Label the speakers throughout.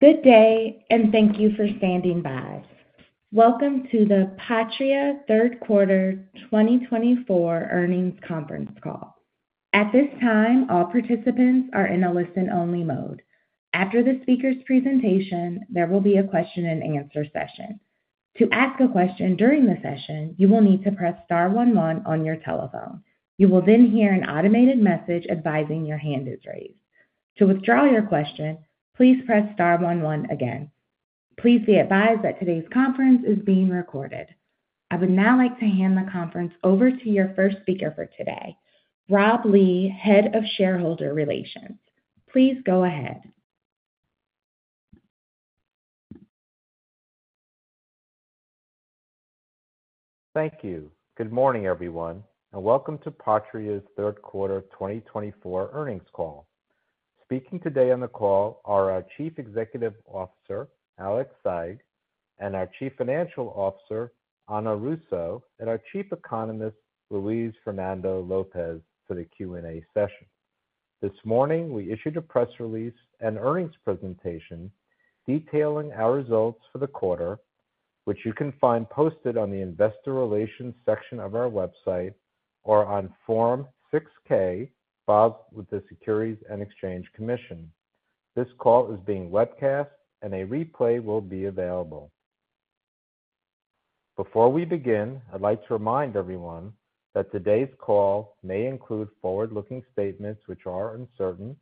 Speaker 1: Good day, and thank you for standing by. Welcome to the Patria Third Quarter 2024 earnings conference call. At this time, all participants are in a listen-only mode. After the speaker's presentation, there will be a question-and-answer session. To ask a question during the session, you will need to press star one one on your telephone. You will then hear an automated message advising your hand is raised. To withdraw your question, please press star one one again. Please be advised that today's conference is being recorded. I would now like to hand the conference over to your first speaker for today, Rob Lee, Head of Shareholder Relations. Please go ahead.
Speaker 2: Thank you. Good morning, everyone, and welcome to Patria's Third Quarter 2024 earnings call. Speaking today on the call are our Chief Executive Officer, Alex Saigh, and our Chief Financial Officer, Ana Russo, and our Chief Economist, Luis Fernando Lopes, for the Q&A session. This morning, we issued a press release and earnings presentation detailing our results for the quarter, which you can find posted on the investor relations section of our website or on Form 6-K filed with the Securities and Exchange Commission. This call is being webcast, and a replay will be available. Before we begin, I'd like to remind everyone that today's call may include forward-looking statements which are uncertain,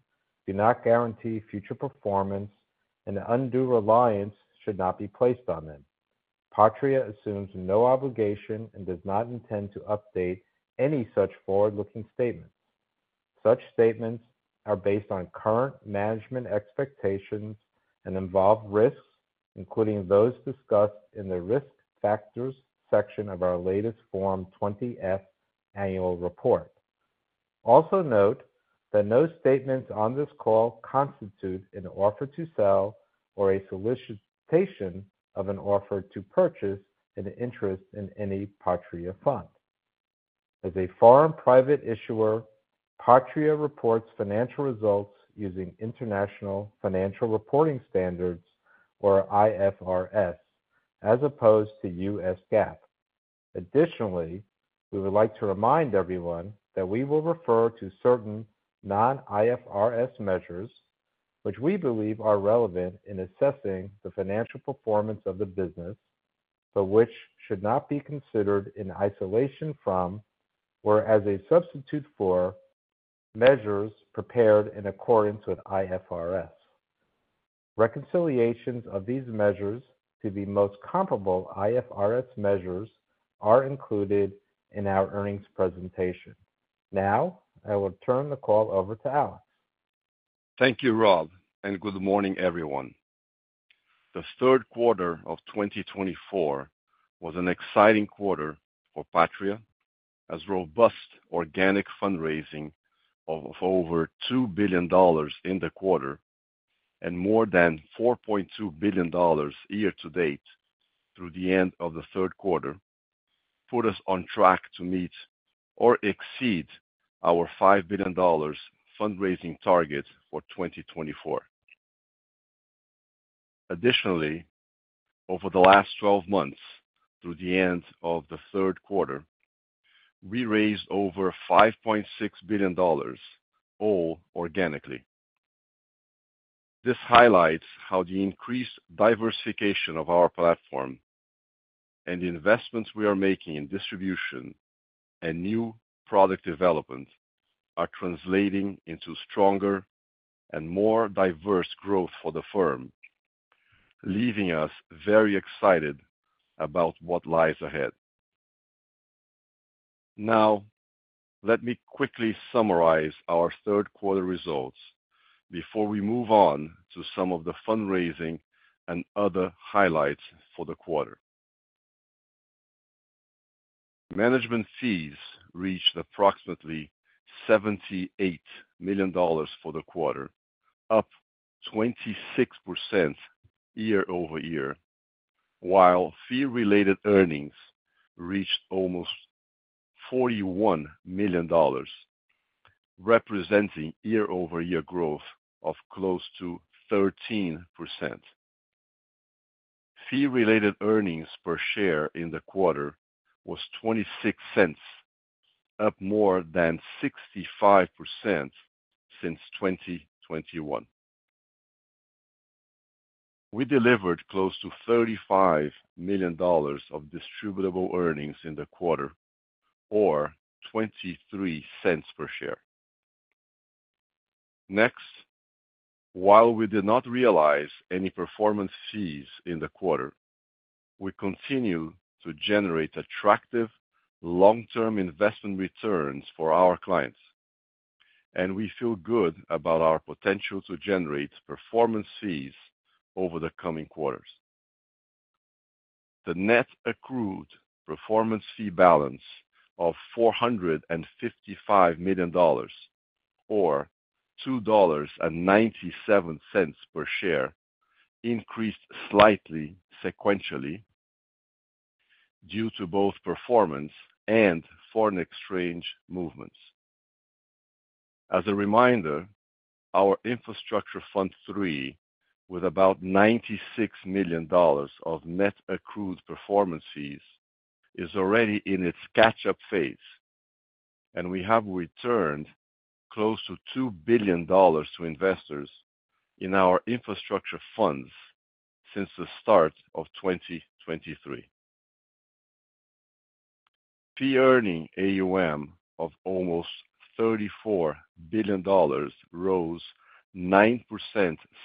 Speaker 2: do not guarantee future performance, and undue reliance should not be placed on them. Patria assumes no obligation and does not intend to update any such forward-looking statements. Such statements are based on current management expectations and involve risks, including those discussed in the risk factors section of our latest Form 20-F annual report. Also note that no statements on this call constitute an offer to sell or a solicitation of an offer to purchase an interest in any Patria fund. As a foreign private issuer, Patria reports financial results using International Financial Reporting Standards, or IFRS, as opposed to U.S. GAAP. Additionally, we would like to remind everyone that we will refer to certain non-IFRS measures, which we believe are relevant in assessing the financial performance of the business, but which should not be considered in isolation from or as a substitute for measures prepared in accordance with IFRS. Reconciliations of these measures to the most comparable IFRS measures are included in our earnings presentation. Now, I will turn the call over to Alex.
Speaker 3: Thank you, Rob, and good morning, everyone. The third quarter of 2024 was an exciting quarter for Patria as robust organic fundraising of over $2 billion in the quarter and more than $4.2 billion year-to-date through the end of the third quarter put us on track to meet or exceed our $5 billion fundraising target for 2024. Additionally, over the last 12 months through the end of the third quarter, we raised over $5.6 billion, all organically. This highlights how the increased diversification of our platform and the investments we are making in distribution and new product development are translating into stronger and more diverse growth for the firm, leaving us very excited about what lies ahead. Now, let me quickly summarize our third quarter results before we move on to some of the fundraising and other highlights for the quarter. Management fees reached approximately $78 million for the quarter, up 26% year-over-year, while fee-related earnings reached almost $41 million, representing year-over-year growth of close to 13%. Fee-related earnings per share in the quarter was $0.26, up more than 65% since 2021. We delivered close to $35 million of distributable earnings in the quarter, or $0.23 per share. Next, while we did not realize any performance fees in the quarter, we continue to generate attractive long-term investment returns for our clients, and we feel good about our potential to generate performance fees over the coming quarters. The net accrued performance fee balance of $455 million, or $2.97 per share, increased slightly sequentially due to both performance and foreign exchange movements. As a reminder, our Infrastructure Fund III, with about $96 million of net accrued performance fees, is already in its catch-up phase, and we have returned close to $2 billion to investors in our infrastructure funds since the start of 2023. Fee-earning AUM of almost $34 billion rose 9%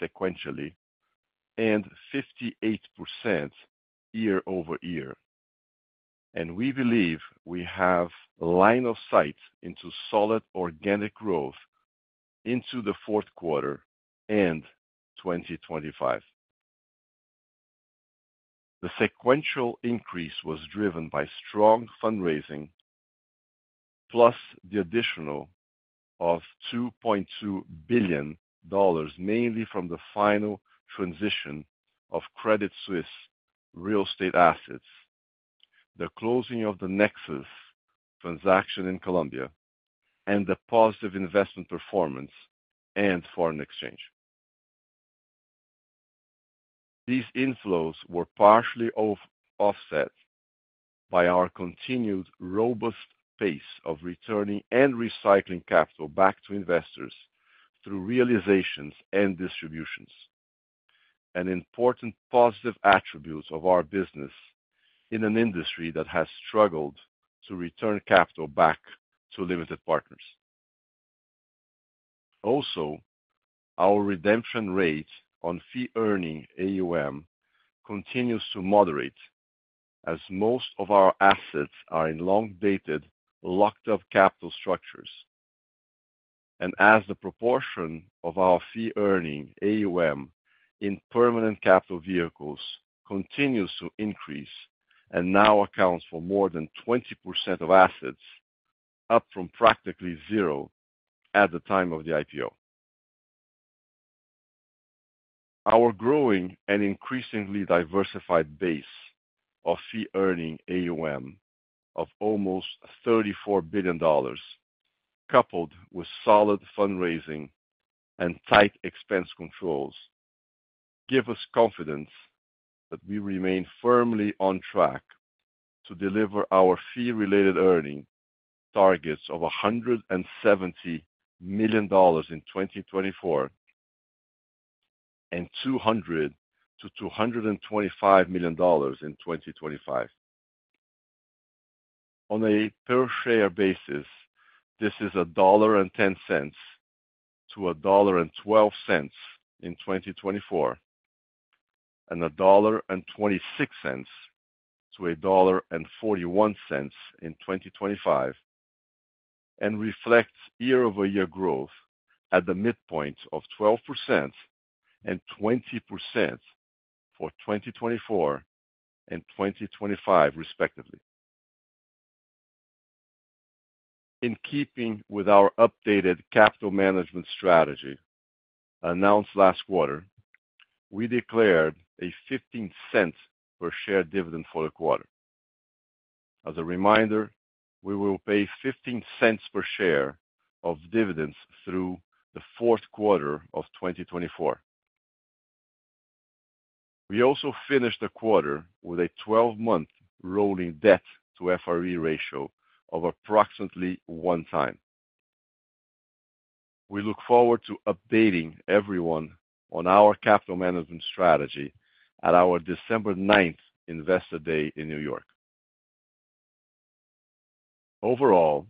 Speaker 3: sequentially and 58% year-over-year, and we believe we have line of sight into solid organic growth into the fourth quarter and 2025. The sequential increase was driven by strong fundraising, plus the addition of $2.2 billion, mainly from the final transition of Credit Suisse real estate assets, the closing of the Nexus transaction in Colombia, and the positive investment performance and foreign exchange. These inflows were partially offset by our continued robust pace of returning and recycling capital back to investors through realizations and distributions, an important positive attribute of our business in an industry that has struggled to return capital back to limited partners. Also, our redemption rate on fee-earning AUM continues to moderate as most of our assets are in long-dated locked-up capital structures, and as the proportion of our fee-earning AUM in permanent capital vehicles continues to increase and now accounts for more than 20% of assets, up from practically zero at the time of the IPO. Our growing and increasingly diversified base of fee-earning AUM of almost $34 billion, coupled with solid fundraising and tight expense controls, give us confidence that we remain firmly on track to deliver our fee-related earnings targets of $170 million in 2024 and $200 million-$225 million in 2025. On a per-share basis, this is $1.10-$1.12 in 2024 and $1.26-$1.41 in 2025, and reflects year-over-year growth at the midpoint of 12% and 20% for 2024 and 2025, respectively. In keeping with our updated capital management strategy announced last quarter, we declared a $0.15 per share dividend for the quarter. As a reminder, we will pay $0.15 per share of dividends through the fourth quarter of 2024. We also finished the quarter with a 12-month rolling debt-to-FRE ratio of approximately one time. We look forward to updating everyone on our capital management strategy at our December 9th Investor Day in New York. Overall,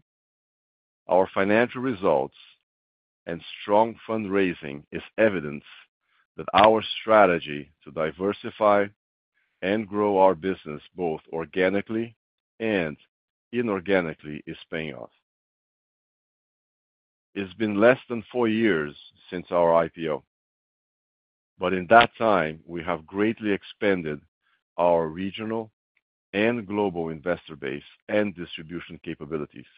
Speaker 3: our financial results and strong fundraising is evidence that our strategy to diversify and grow our business both organically and inorganically is paying off. It's been less than four years since our IPO, but in that time, we have greatly expanded our regional and global investor base and distribution capabilities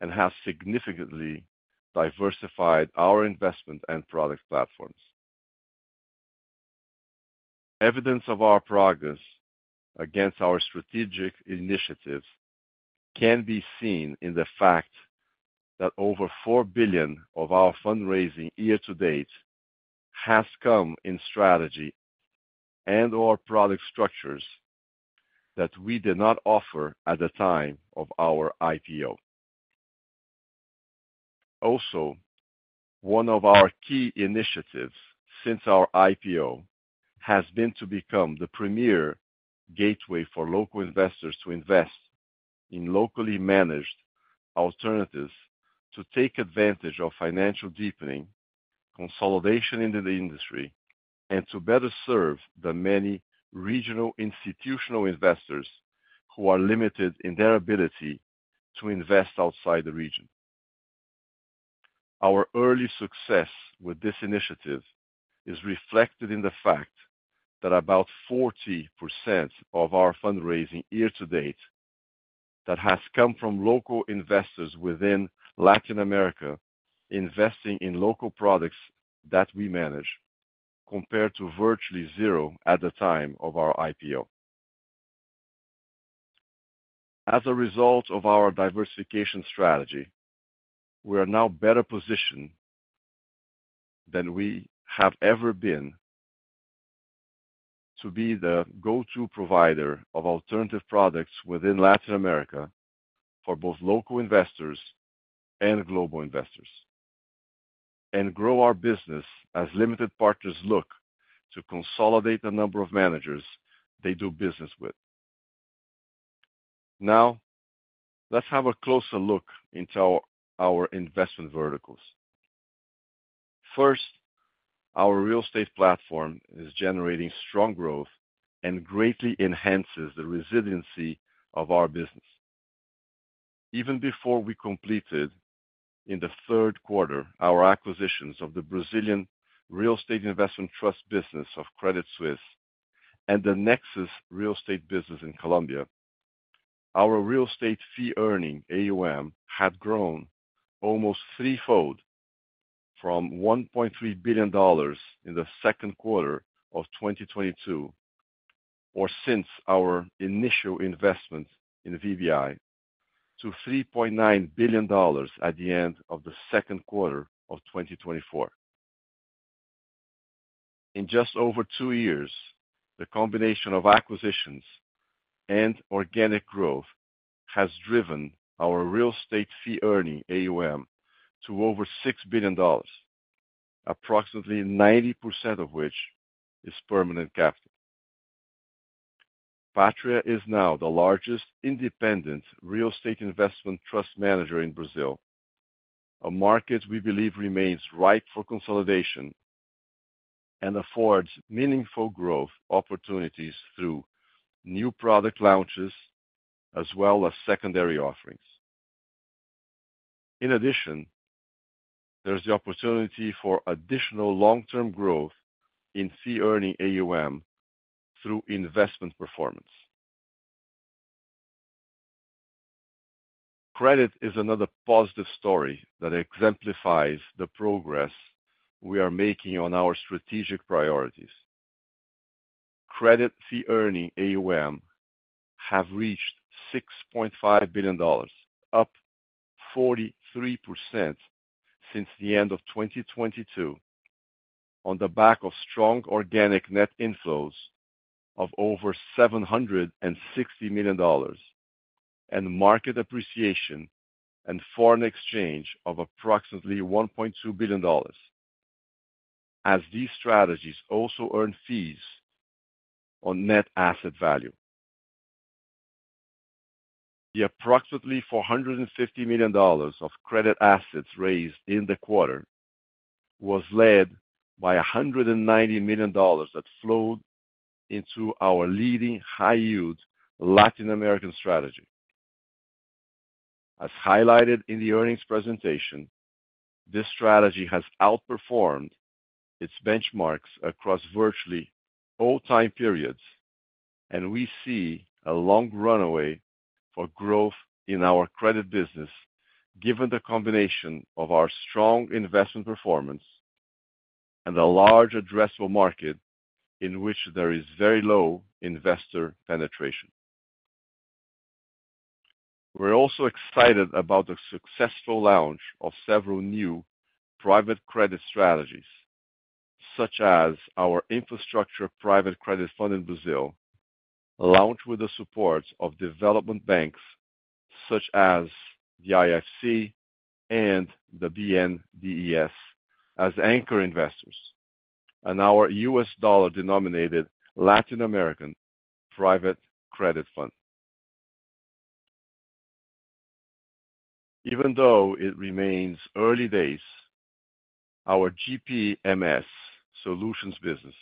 Speaker 3: and have significantly diversified our investment and product platforms. Evidence of our progress against our strategic initiatives can be seen in the fact that over $4 billion of our fundraising year-to-date has come in strategy and/or product structures that we did not offer at the time of our IPO. Also, one of our key initiatives since our IPO has been to become the premier gateway for local investors to invest in locally managed alternatives to take advantage of financial deepening, consolidation in the industry, and to better serve the many regional institutional investors who are limited in their ability to invest outside the region. Our early success with this initiative is reflected in the fact that about 40% of our fundraising year-to-date has come from local investors within Latin America investing in local products that we manage, compared to virtually zero at the time of our IPO. As a result of our diversification strategy, we are now better positioned than we have ever been to be the go-to provider of alternative products within Latin America for both local investors and global investors, and grow our business as limited partners look to consolidate the number of managers they do business with. Now, let's have a closer look into our investment verticals. First, our real estate platform is generating strong growth and greatly enhances the resiliency of our business. Even before we completed in the third quarter our acquisitions of the Brazilian Real Estate Investment Trust business of Credit Suisse and the Nexus real estate business in Colombia, our real estate fee-earning AUM had grown almost threefold from $1.3 billion in the second quarter of 2022, or since our initial investment in VBI, to $3.9 billion at the end of the second quarter of 2024. In just over two years, the combination of acquisitions and organic growth has driven our real estate fee-earning AUM to over $6 billion, approximately 90% of which is permanent capital. Patria is now the largest independent real estate investment trust manager in Brazil, a market we believe remains ripe for consolidation and affords meaningful growth opportunities through new product launches as well as secondary offerings. In addition, there's the opportunity for additional long-term growth in fee-earning AUM through investment performance. Credit is another positive story that exemplifies the progress we are making on our strategic priorities. Credit fee-earning AUM have reached $6.5 billion, up 43% since the end of 2022, on the back of strong organic net inflows of over $760 million and market appreciation and foreign exchange of approximately $1.2 billion, as these strategies also earn fees on net asset value. The approximately $450 million of credit assets raised in the quarter was led by $190 million that flowed into our leading high-yield Latin American strategy. As highlighted in the earnings presentation, this strategy has outperformed its benchmarks across virtually all time periods, and we see a long runway for growth in our credit business, given the combination of our strong investment performance and a large addressable market in which there is very low investor penetration. We're also excited about the successful launch of several new private credit strategies, such as our Infrastructure Private Credit Fund in Brazil, launched with the support of development banks such as the IFC and the BNDES as anchor investors, and our U.S. dollar-denominated Latin American Private Credit Fund. Even though it remains early days, our GPMS solutions business,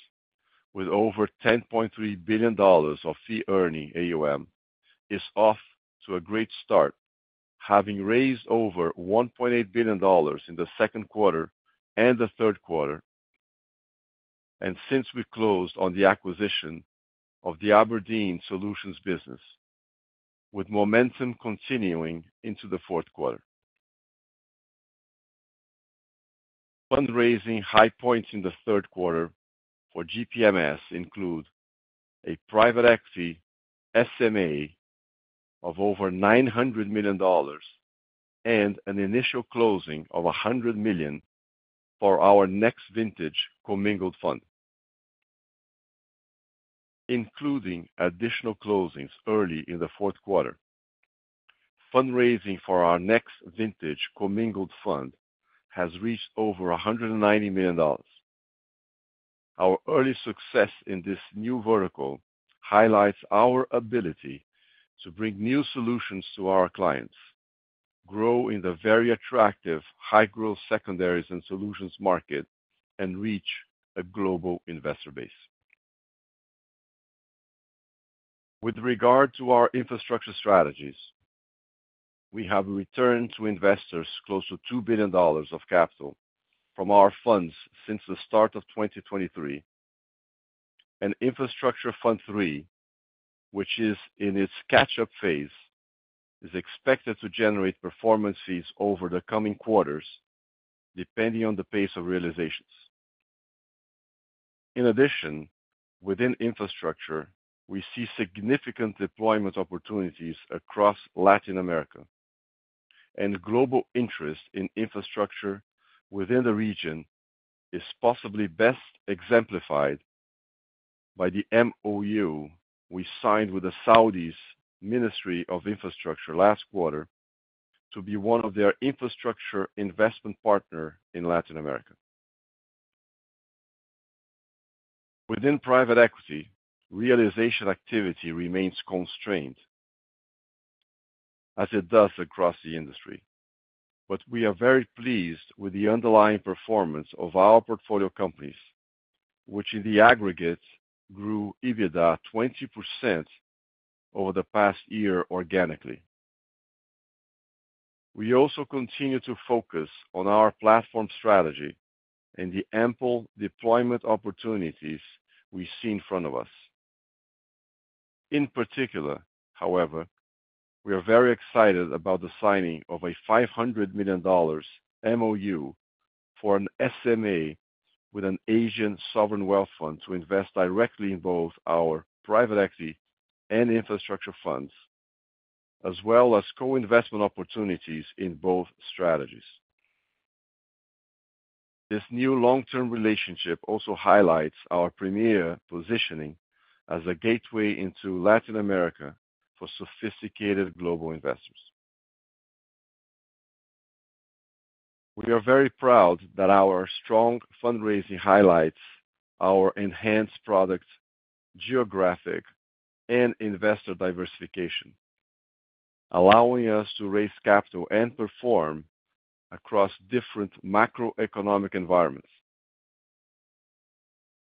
Speaker 3: with over $10.3 billion of fee-earning AUM, is off to a great start, having raised over $1.8 billion in the second quarter and the third quarter, and since we closed on the acquisition of the abrdn Solutions business, with momentum continuing into the fourth quarter. Fundraising high points in the third quarter for GPMS include a private equity SMA of over $900 million and an initial closing of $100 million for our Next Vintage Commingled Fund. Including additional closings early in the fourth quarter, fundraising for our Next Vintage Commingled Fund has reached over $190 million. Our early success in this new vertical highlights our ability to bring new solutions to our clients, grow in the very attractive high-growth secondaries and solutions market, and reach a global investor base. With regard to our infrastructure strategies, we have returned to investors close to $2 billion of capital from our funds since the start of 2023, and Infrastructure Fund III, which is in its catch-up phase, is expected to generate performance fees over the coming quarters, depending on the pace of realizations. In addition, within infrastructure, we see significant deployment opportunities across Latin America, and global interest in infrastructure within the region is possibly best exemplified by the MOU we signed with the Saudi Ministry of Infrastructure last quarter to be one of their infrastructure investment partners in Latin America. Within private equity, realization activity remains constrained, as it does across the industry, but we are very pleased with the underlying performance of our portfolio companies, which in the aggregate grew EBITDA 20% over the past year organically. We also continue to focus on our platform strategy and the ample deployment opportunities we see in front of us. In particular, however, we are very excited about the signing of a $500 million MOU for an SMA with an Asian sovereign wealth fund to invest directly in both our private equity and infrastructure funds, as well as co-investment opportunities in both strategies. This new long-term relationship also highlights our premier positioning as a gateway into Latin America for sophisticated global investors. We are very proud that our strong fundraising highlights our enhanced product geographic and investor diversification, allowing us to raise capital and perform across different macroeconomic environments.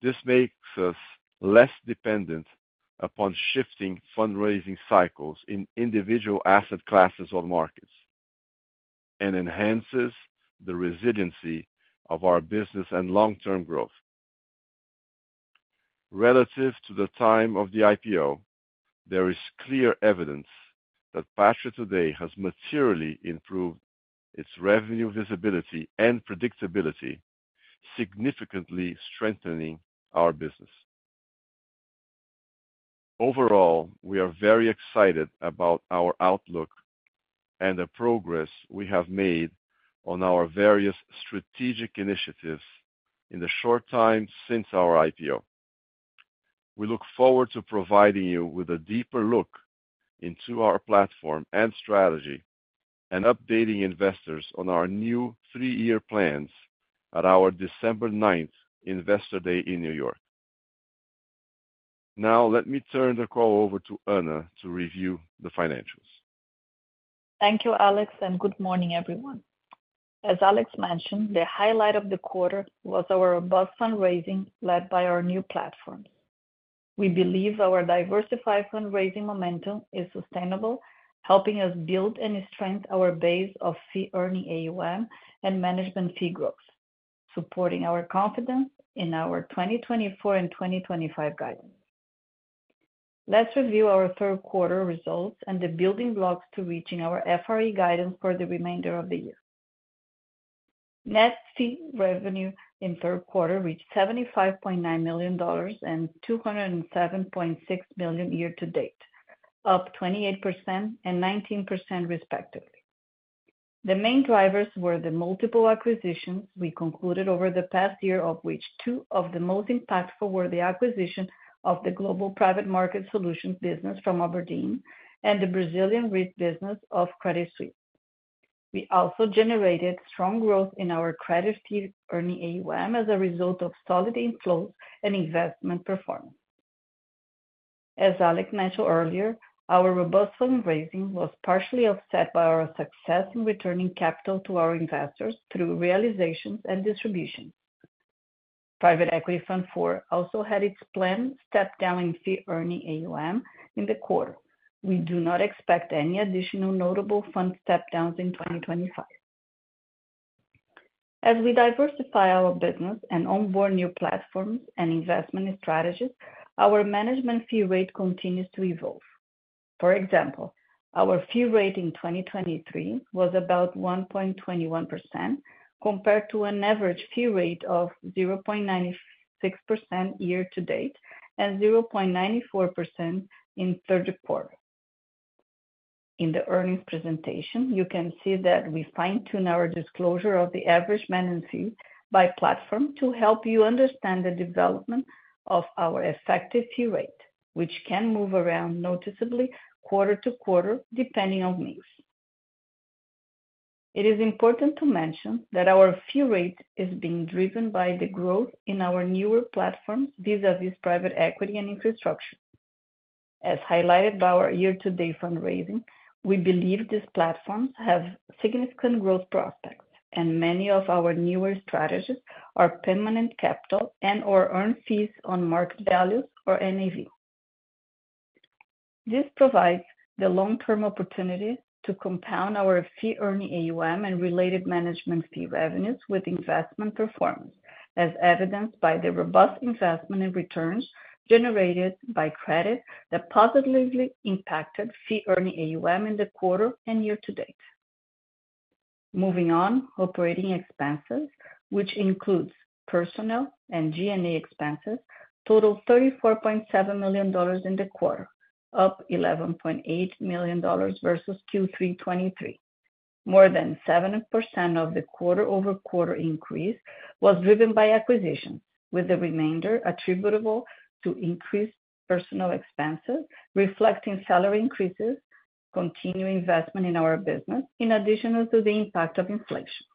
Speaker 3: This makes us less dependent upon shifting fundraising cycles in individual asset classes or markets and enhances the resiliency of our business and long-term growth. Relative to the time of the IPO, there is clear evidence that Patria today has materially improved its revenue visibility and predictability, significantly strengthening our business. Overall, we are very excited about our outlook and the progress we have made on our various strategic initiatives in the short time since our IPO. We look forward to providing you with a deeper look into our platform and strategy and updating investors on our new three-year plans at our December 9th Investor Day in New York. Now, let me turn the call over to Ana to review the financials.
Speaker 4: Thank you, Alex, and good morning, everyone. As Alex mentioned, the highlight of the quarter was our robust fundraising led by our new platforms. We believe our diversified fundraising momentum is sustainable, helping us build and strengthen our base of fee-earning AUM and management fee growth, supporting our confidence in our 2024 and 2025 guidance. Let's review our third quarter results and the building blocks to reaching our FRE guidance for the remainder of the year. Net fee revenue in third quarter reached $75.9 million and $207.6 million year-to-date, up 28% and 19%, respectively. The main drivers were the multiple acquisitions we concluded over the past year, of which two of the most impactful were the acquisition of the global private market solutions business from abrdn and the Brazilian REIT business of Credit Suisse. We also generated strong growth in our credit fee-earning AUM as a result of solid inflows and investment performance. As Alex mentioned earlier, our robust fundraising was partially offset by our success in returning capital to our investors through realizations and distributions. Private Equity Fund IV also had its planned step-down in fee-earning AUM in the quarter. We do not expect any additional notable fund step-downs in 2025. As we diversify our business and onboard new platforms and investment strategies, our management fee rate continues to evolve. For example, our fee rate in 2023 was about 1.21%, compared to an average fee rate of 0.96% year-to-date and 0.94% in third quarter. In the earnings presentation, you can see that we fine-tuned our disclosure of the average management fee by platform to help you understand the development of our effective fee rate, which can move around noticeably quarter to quarter, depending on needs. It is important to mention that our fee rate is being driven by the growth in our newer platforms vis-à-vis private equity and infrastructure. As highlighted by our year-to-date fundraising, we believe these platforms have significant growth prospects, and many of our newer strategies are permanent capital and/or earned fees on market values, or NAV. This provides the long-term opportunity to compound our fee-earning AUM and related management fee revenues with investment performance, as evidenced by the robust investment and returns generated by credit that positively impacted fee-earning AUM in the quarter and year-to-date. Moving on, operating expenses, which includes personnel and G&A expenses, totaled $34.7 million in the quarter, up $11.8 million versus Q323. More than 7% of the quarter-over-quarter increase was driven by acquisitions, with the remainder attributable to increased personnel expenses, reflecting salary increases, continued investment in our business, in addition to the impact of inflation.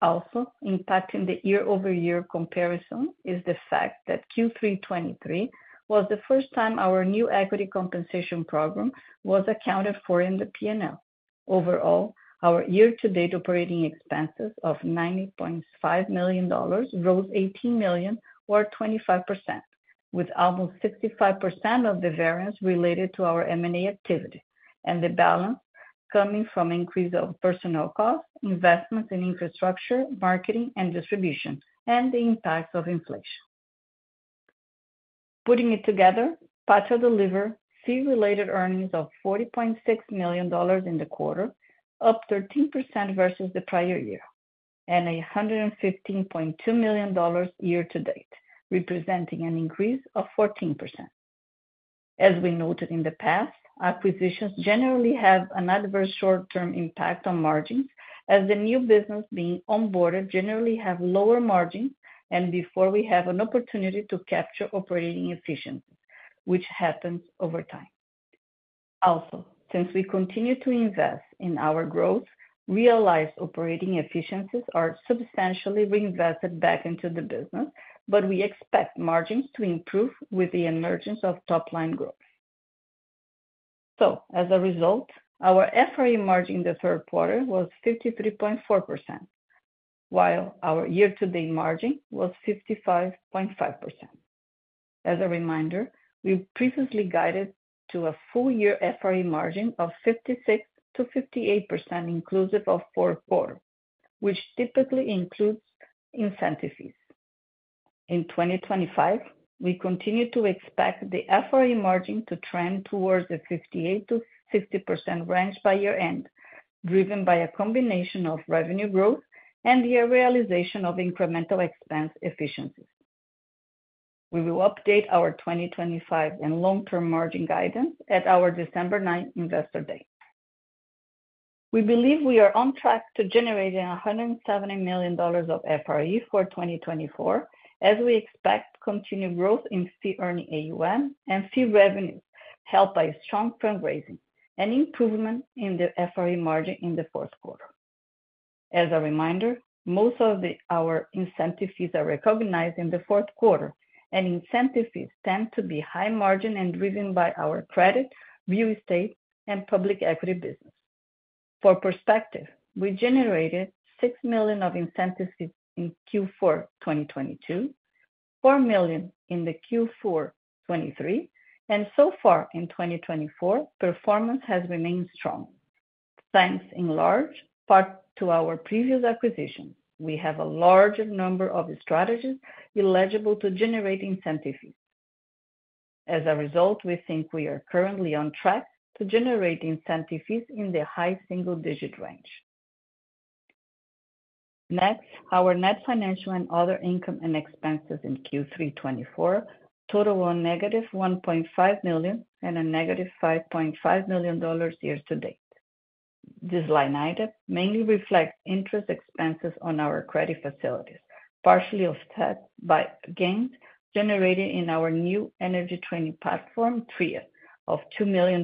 Speaker 4: Also, impacting the year-over-year comparison is the fact that Q323 was the first time our new equity compensation program was accounted for in the P&L. Overall, our year-to-date operating expenses of $90.5 million rose $18 million, or 25%, with almost 65% of the variance related to our M&A activity and the balance coming from increase of personnel costs, investments in infrastructure, marketing, and distribution, and the impacts of inflation. Putting it together, Patria delivered fee-related earnings of $40.6 million in the quarter, up 13% versus the prior year, and $115.2 million year-to-date, representing an increase of 14%. As we noted in the past, acquisitions generally have an adverse short-term impact on margins, as the new business being onboarded generally has lower margins and before we have an opportunity to capture operating efficiencies, which happens over time. Also, since we continue to invest in our growth, realized operating efficiencies are substantially reinvested back into the business, but we expect margins to improve with the emergence of top-line growth. As a result, our FRE margin in the third quarter was 53.4%, while our year-to-date margin was 55.5%. As a reminder, we previously guided to a full-year FRE margin of 56%-58% inclusive of four quarters, which typically includes incentive fees. In 2025, we continue to expect the FRE margin to trend towards the 58%-60% range by year-end, driven by a combination of revenue growth and the realization of incremental expense efficiencies. We will update our 2025 and long-term margin guidance at our December 9th Investor Day. We believe we are on track to generate $170 million of FRE for 2024, as we expect continued growth in fee-earning AUM and fee revenues helped by strong fundraising and improvement in the FRE margin in the fourth quarter. As a reminder, most of our incentive fees are recognized in the fourth quarter, and incentive fees tend to be high margin and driven by our credit, real estate, and public equity business. For perspective, we generated $6 million of incentive fees in Q4 2022, $4 million in Q4 2023, and so far in 2024, performance has remained strong. Thanks in large part to our previous acquisitions, we have a larger number of strategies eligible to generate incentive fees. As a result, we think we are currently on track to generate incentive fees in the high single-digit range. Next, our net financial and other income and expenses in Q3 2024 totaled a negative $1.5 million and a negative $5.5 million year-to-date. This line item mainly reflects interest expenses on our credit facilities, partially offset by gains generated in our new energy trading platform, Tria, of $2 million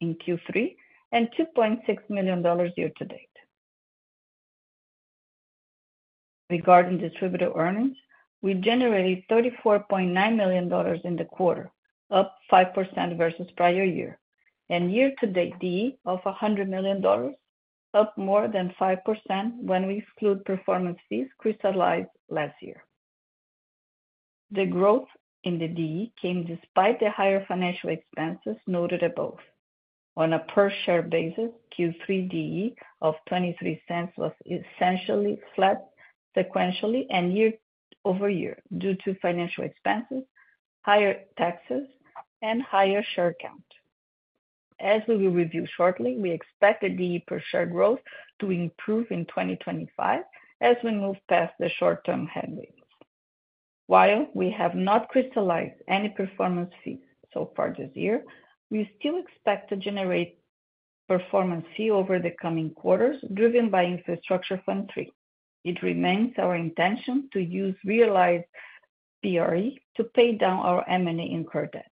Speaker 4: in Q3 and $2.6 million year-to-date. Regarding Distributable Earnings, we generated $34.9 million in the quarter, up 5% versus prior year, and year-to-date DE of $100 million, up more than 5% when we exclude performance fees crystallized last year. The growth in the DE came despite the higher financial expenses noted above. On a per-share basis, Q3 DE of $0.23 was essentially flat sequentially and year-over-year due to financial expenses, higher taxes, and higher share count. As we will review shortly, we expect the DE per share growth to improve in 2025 as we move past the short-term headwinds. While we have not crystallized any performance fees so far this year, we still expect to generate performance fee over the coming quarters, driven by Infrastructure Fund III. It remains our intention to use realized PRE to pay down our M&A incurred debt.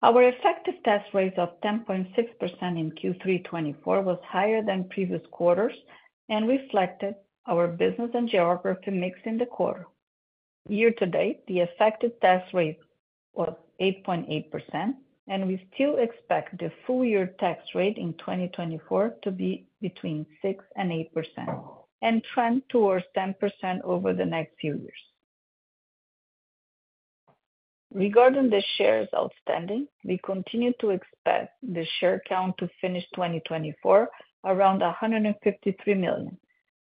Speaker 4: Our effective tax rate of 10.6% in Q3 2024 was higher than previous quarters and reflected our business and geography mix in the quarter. Year-to-date, the effective tax rate was 8.8%, and we still expect the full-year tax rate in 2024 to be between 6% and 8% and trend towards 10% over the next few years. Regarding the shares outstanding, we continue to expect the share count to finish 2024 around $153 million,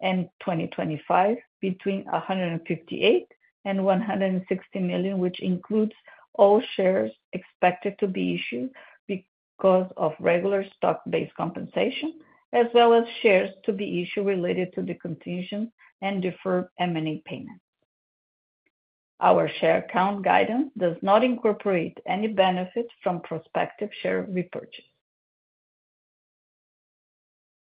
Speaker 4: and 2025 between $158 and $160 million, which includes all shares expected to be issued because of regular stock-based compensation, as well as shares to be issued related to the contingent and deferred M&A payments. Our share count guidance does not incorporate any benefits from prospective share repurchase.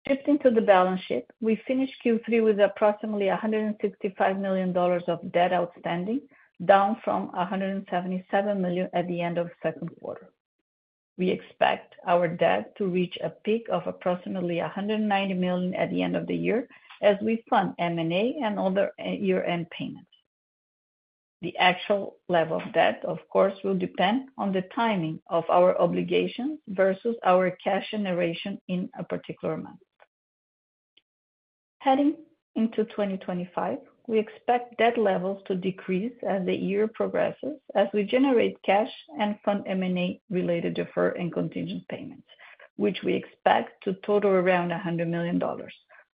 Speaker 4: Shifting to the balance sheet, we finished Q3 with approximately $165 million of debt outstanding, down from $177 million at the end of the second quarter. We expect our debt to reach a peak of approximately $190 million at the end of the year as we fund M&A and other year-end payments. The actual level of debt, of course, will depend on the timing of our obligations versus our cash generation in a particular month. Heading into 2025, we expect debt levels to decrease as the year progresses as we generate cash and fund M&A-related deferred and contingent payments, which we expect to total around $100 million,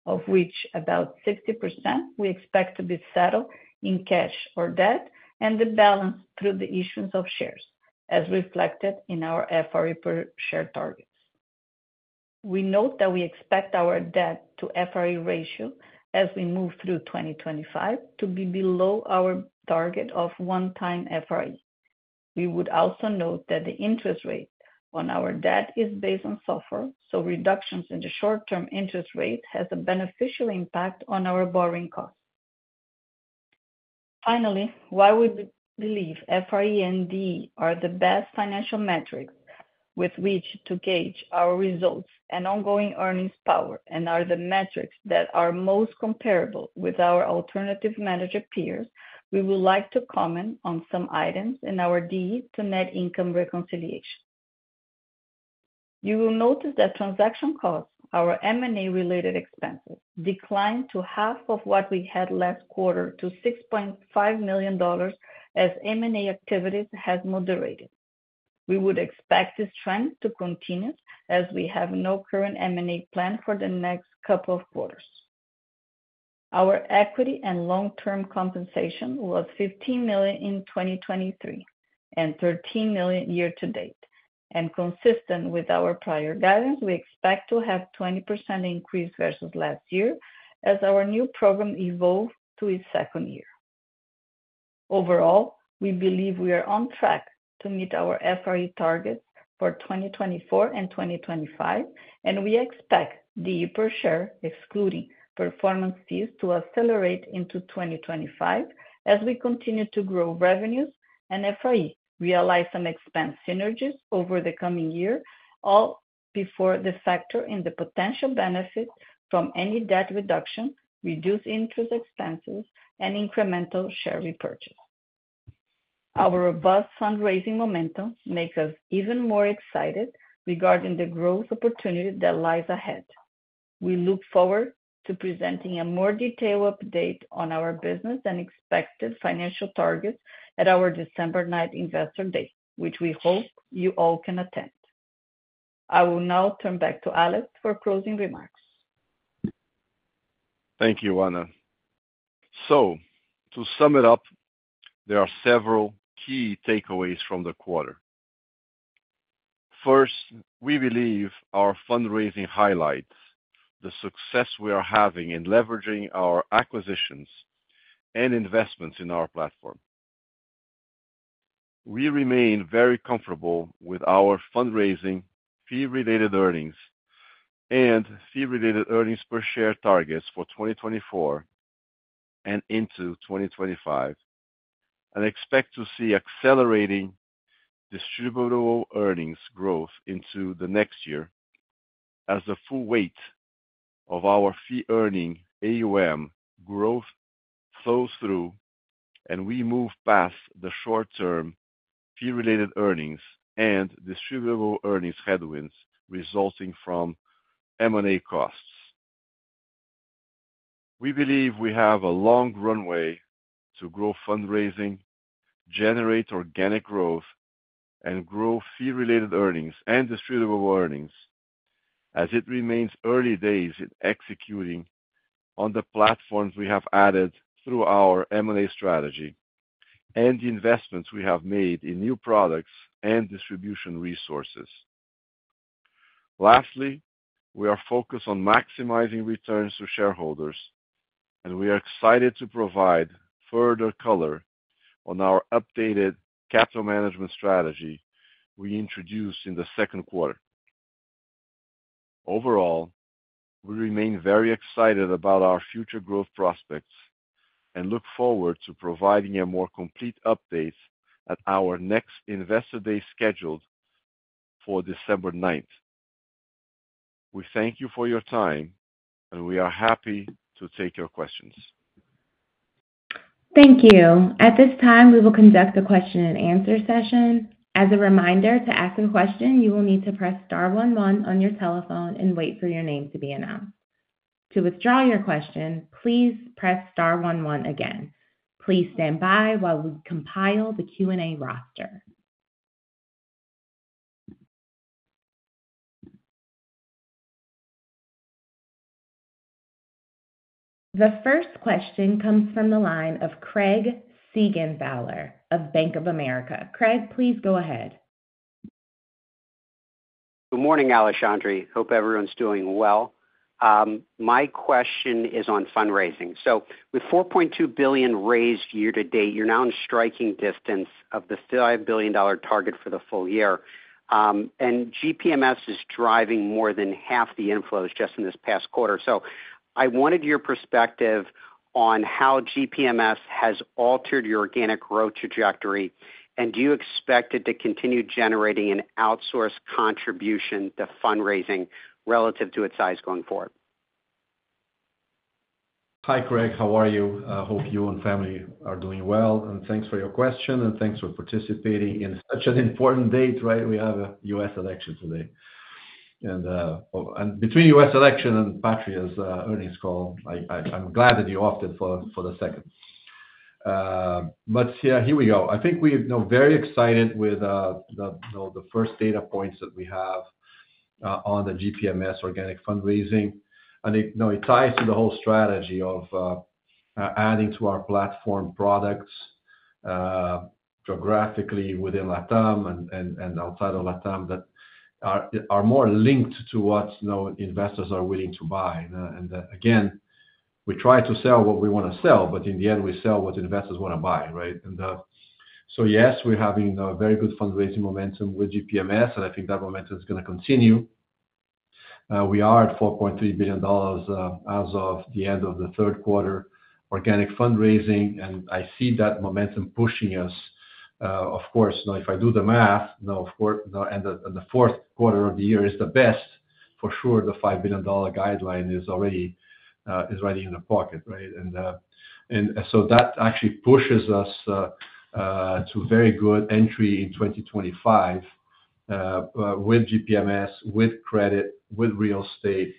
Speaker 4: of which about 60% we expect to be settled in cash or debt and the balance through the issuance of shares, as reflected in our FRE per share targets. We note that we expect our debt-to-FRE ratio as we move through 2025 to be below our target of one-time FRE. We would also note that the interest rate on our debt is based on SOFR, so reductions in the short-term interest rate have a beneficial impact on our borrowing costs. Finally, while we believe FRE and DE are the best financial metrics with which to gauge our results and ongoing earnings power, and are the metrics that are most comparable with our alternative manager peers, we would like to comment on some items in our DE to net income reconciliation. You will notice that transaction costs, our M&A-related expenses, declined to half of what we had last quarter to $6.5 million as M&A activities have moderated. We would expect this trend to continue as we have no current M&A plan for the next couple of quarters. Our equity and long-term compensation was $15 million in 2023 and $13 million year-to-date, and consistent with our prior guidance, we expect to have a 20% increase versus last year as our new program evolves to its second year. Overall, we believe we are on track to meet our FRE targets for 2024 and 2025, and we expect DE per share, excluding performance fees, to accelerate into 2025 as we continue to grow revenues and FRE, realize some expense synergies over the coming year, all before we factor in the potential benefits from any debt reduction, reduced interest expenses, and incremental share repurchase. Our robust fundraising momentum makes us even more excited regarding the growth opportunity that lies ahead. We look forward to presenting a more detailed update on our business and expected financial targets at our December 9th Investor Day, which we hope you all can attend. I will now turn back to Alex for closing remarks.
Speaker 3: Thank you, Ana. So, to sum it up, there are several key takeaways from the quarter. First, we believe our fundraising highlights the success we are having in leveraging our acquisitions and investments in our platform. We remain very comfortable with our fundraising fee-related earnings and fee-related earnings per share targets for 2024 and into 2025, and expect to see accelerating distributable earnings growth into the next year as the full weight of our fee-earning AUM growth flows through and we move past the short-term fee-related earnings and distributable earnings headwinds resulting from M&A costs. We believe we have a long runway to grow fundraising, generate organic growth, and grow fee-related earnings and distributable earnings as it remains early days in executing on the platforms we have added through our M&A strategy and the investments we have made in new products and distribution resources. Lastly, we are focused on maximizing returns to shareholders, and we are excited to provide further color on our updated capital management strategy we introduced in the second quarter. Overall, we remain very excited about our future growth prospects and look forward to providing a more complete update at our next Investor Day scheduled for December 9th. We thank you for your time, and we are happy to take your questions.
Speaker 1: Thank you. At this time, we will conduct a question-and-answer session. As a reminder, to ask a question, you will need to press star one one on your telephone and wait for your name to be announced. To withdraw your question, please press star one one again. Please stand by while we compile the Q&A roster. The first question comes from the line of Craig Siegenthaler of Bank of America. Craig, please go ahead.
Speaker 5: Good morning, Alex Saigh. Hope everyone's doing well. My question is on fundraising. So, with $4.2 billion raised year-to-date, you're now in striking distance of the $5 billion target for the full year, and GPMS is driving more than half the inflows just in this past quarter. So, I wanted your perspective on how GPMS has altered your organic growth trajectory, and do you expect it to continue generating an outsize contribution to fundraising relative to its size going forward?
Speaker 3: Hi, Craig. How are you? I hope you and family are doing well, and thanks for your question, and thanks for participating in such an important date, right? We have a U.S. election today. And between U.S. election and Patria's earnings call, I'm glad that you opted for the second. But yeah, here we go. I think we're very excited with the first data points that we have on the GPMS organic fundraising, and it ties to the whole strategy of adding to our platform products geographically within LATAM and outside of LATAM that are more linked to what investors are willing to buy. And again, we try to sell what we want to sell, but in the end, we sell what investors want to buy, right? And so, yes, we're having a very good fundraising momentum with GPMS, and I think that momentum is going to continue. We are at $4.3 billion as of the end of the third quarter organic fundraising, and I see that momentum pushing us. Of course, if I do the math, and the fourth quarter of the year is the best, for sure, the $5 billion guideline is already in the pocket, right? And so that actually pushes us to very good entry in 2025 with GPMS, with credit, with real estate,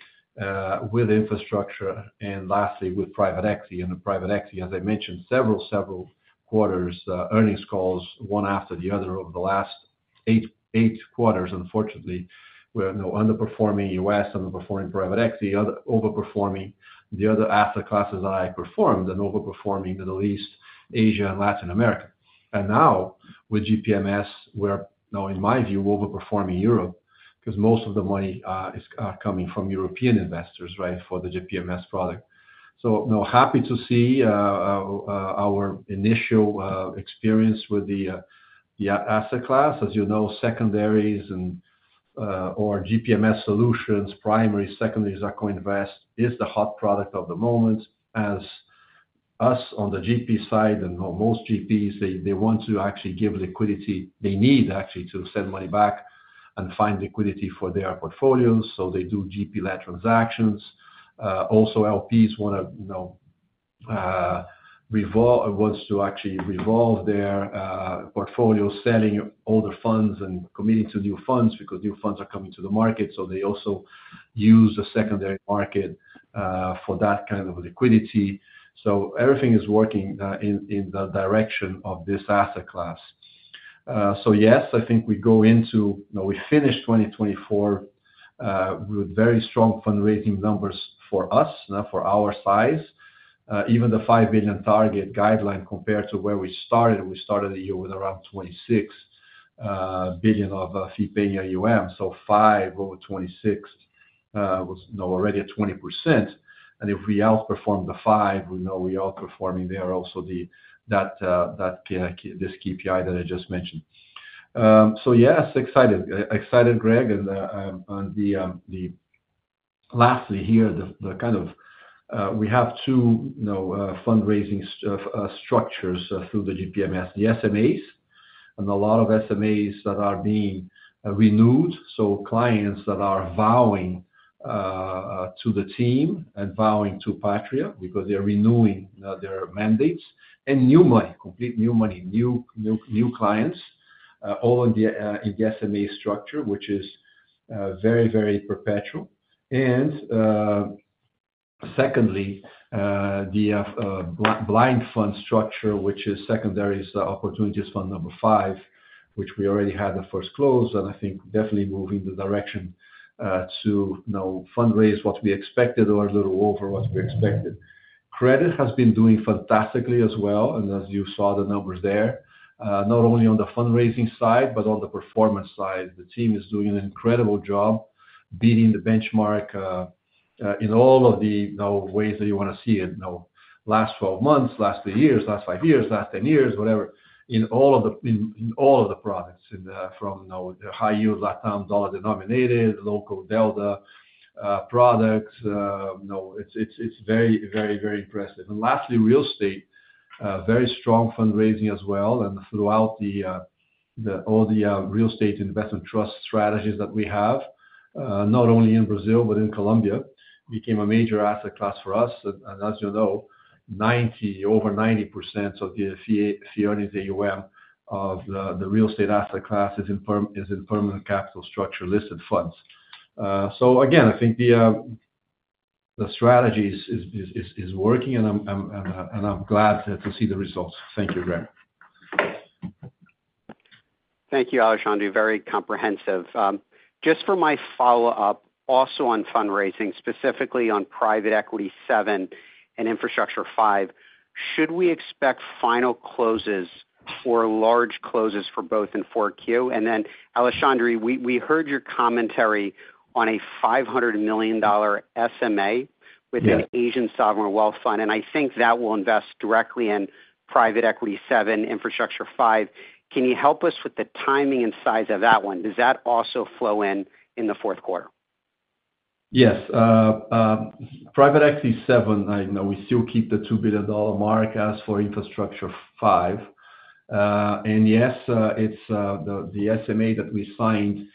Speaker 3: with infrastructure, and lastly, with private equity. And the private equity, as I mentioned, several, several quarters, earnings calls one after the other over the last eight quarters, unfortunately, were underperforming U.S., underperforming private equity, overperforming the other asset classes that I performed, and overperforming the Middle East, Asia, and Latin America. And now, with GPMS, we're now, in my view, overperforming Europe because most of the money is coming from European investors, right, for the GPMS product. Happy to see our initial experience with the asset class. As you know, secondaries and/or GPMS solutions, primary, secondary, co-invest is the hot product of the moment for us on the GP side, and most GPs, they want to actually give liquidity. They need actually to send money back and find liquidity for their portfolios, so they do GP-led transactions. Also, LPs want to actually revolve their portfolios, selling older funds and committing to new funds because new funds are coming to the market, so they also use the secondary market for that kind of liquidity. Everything is working in the direction of this asset class. Yes, I think we finished 2024 with very strong fundraising numbers for us, for our size. Even the $5 billion target guideline compared to where we started. We started the year with around $26 billion of fee-paying AUM, so $5 over $26 was already at 20%. And if we outperform the $5, we know we are outperforming there also that this KPI that I just mentioned. So, yes, excited, Craig. And lastly here, then we have two fundraising structures through the GPMS, the SMAs, and a lot of SMAs that are being renewed. So, clients that are vouching for the team and vouching for Patria because they're renewing their mandates and new money, completely new money, new clients, all in the SMA structure, which is very, very perpetual. Secondly, the blind fund structure, which is Secondary Opportunities Fund number five, which we already had the first close, and I think definitely moving the direction to fundraise what we expected or a little over what we expected. Credit has been doing fantastically as well, and as you saw the numbers there, not only on the fundraising side, but on the performance side, the team is doing an incredible job beating the benchmark in all of the ways that you want to see it now, last 12 months, last three years, last five years, last 10 years, whatever, in all of the products from high-yield LATAM dollar-denominated, local debt products. It's very, very, very impressive. And lastly, real estate, very strong fundraising as well, and throughout all the real estate investment trust strategies that we have, not only in Brazil, but in Colombia, became a major asset class for us. And as you know, over 90% of the fee-earning AUM of the real estate asset class is in permanent capital structure listed funds. So again, I think the strategy is working, and I'm glad to see the results. Thank you, Craig.
Speaker 5: Thank you, Alex Saigh. Very comprehensive. Just for my follow-up, also on fundraising, specifically on private equity seven and infrastructure five, should we expect final closes or large closes for both in 4Q? And then, Alex Saigh, we heard your commentary on a $500 million SMA with an Asian sovereign wealth fund, and I think that will invest directly in private equity seven, infrastructure five. Can you help us with the timing and size of that one? Does that also flow in in the fourth quarter?
Speaker 3: Yes. Private Equity seven, we still keep the $2 billion mark as for Infrastructure five. And yes, the SMA that we signed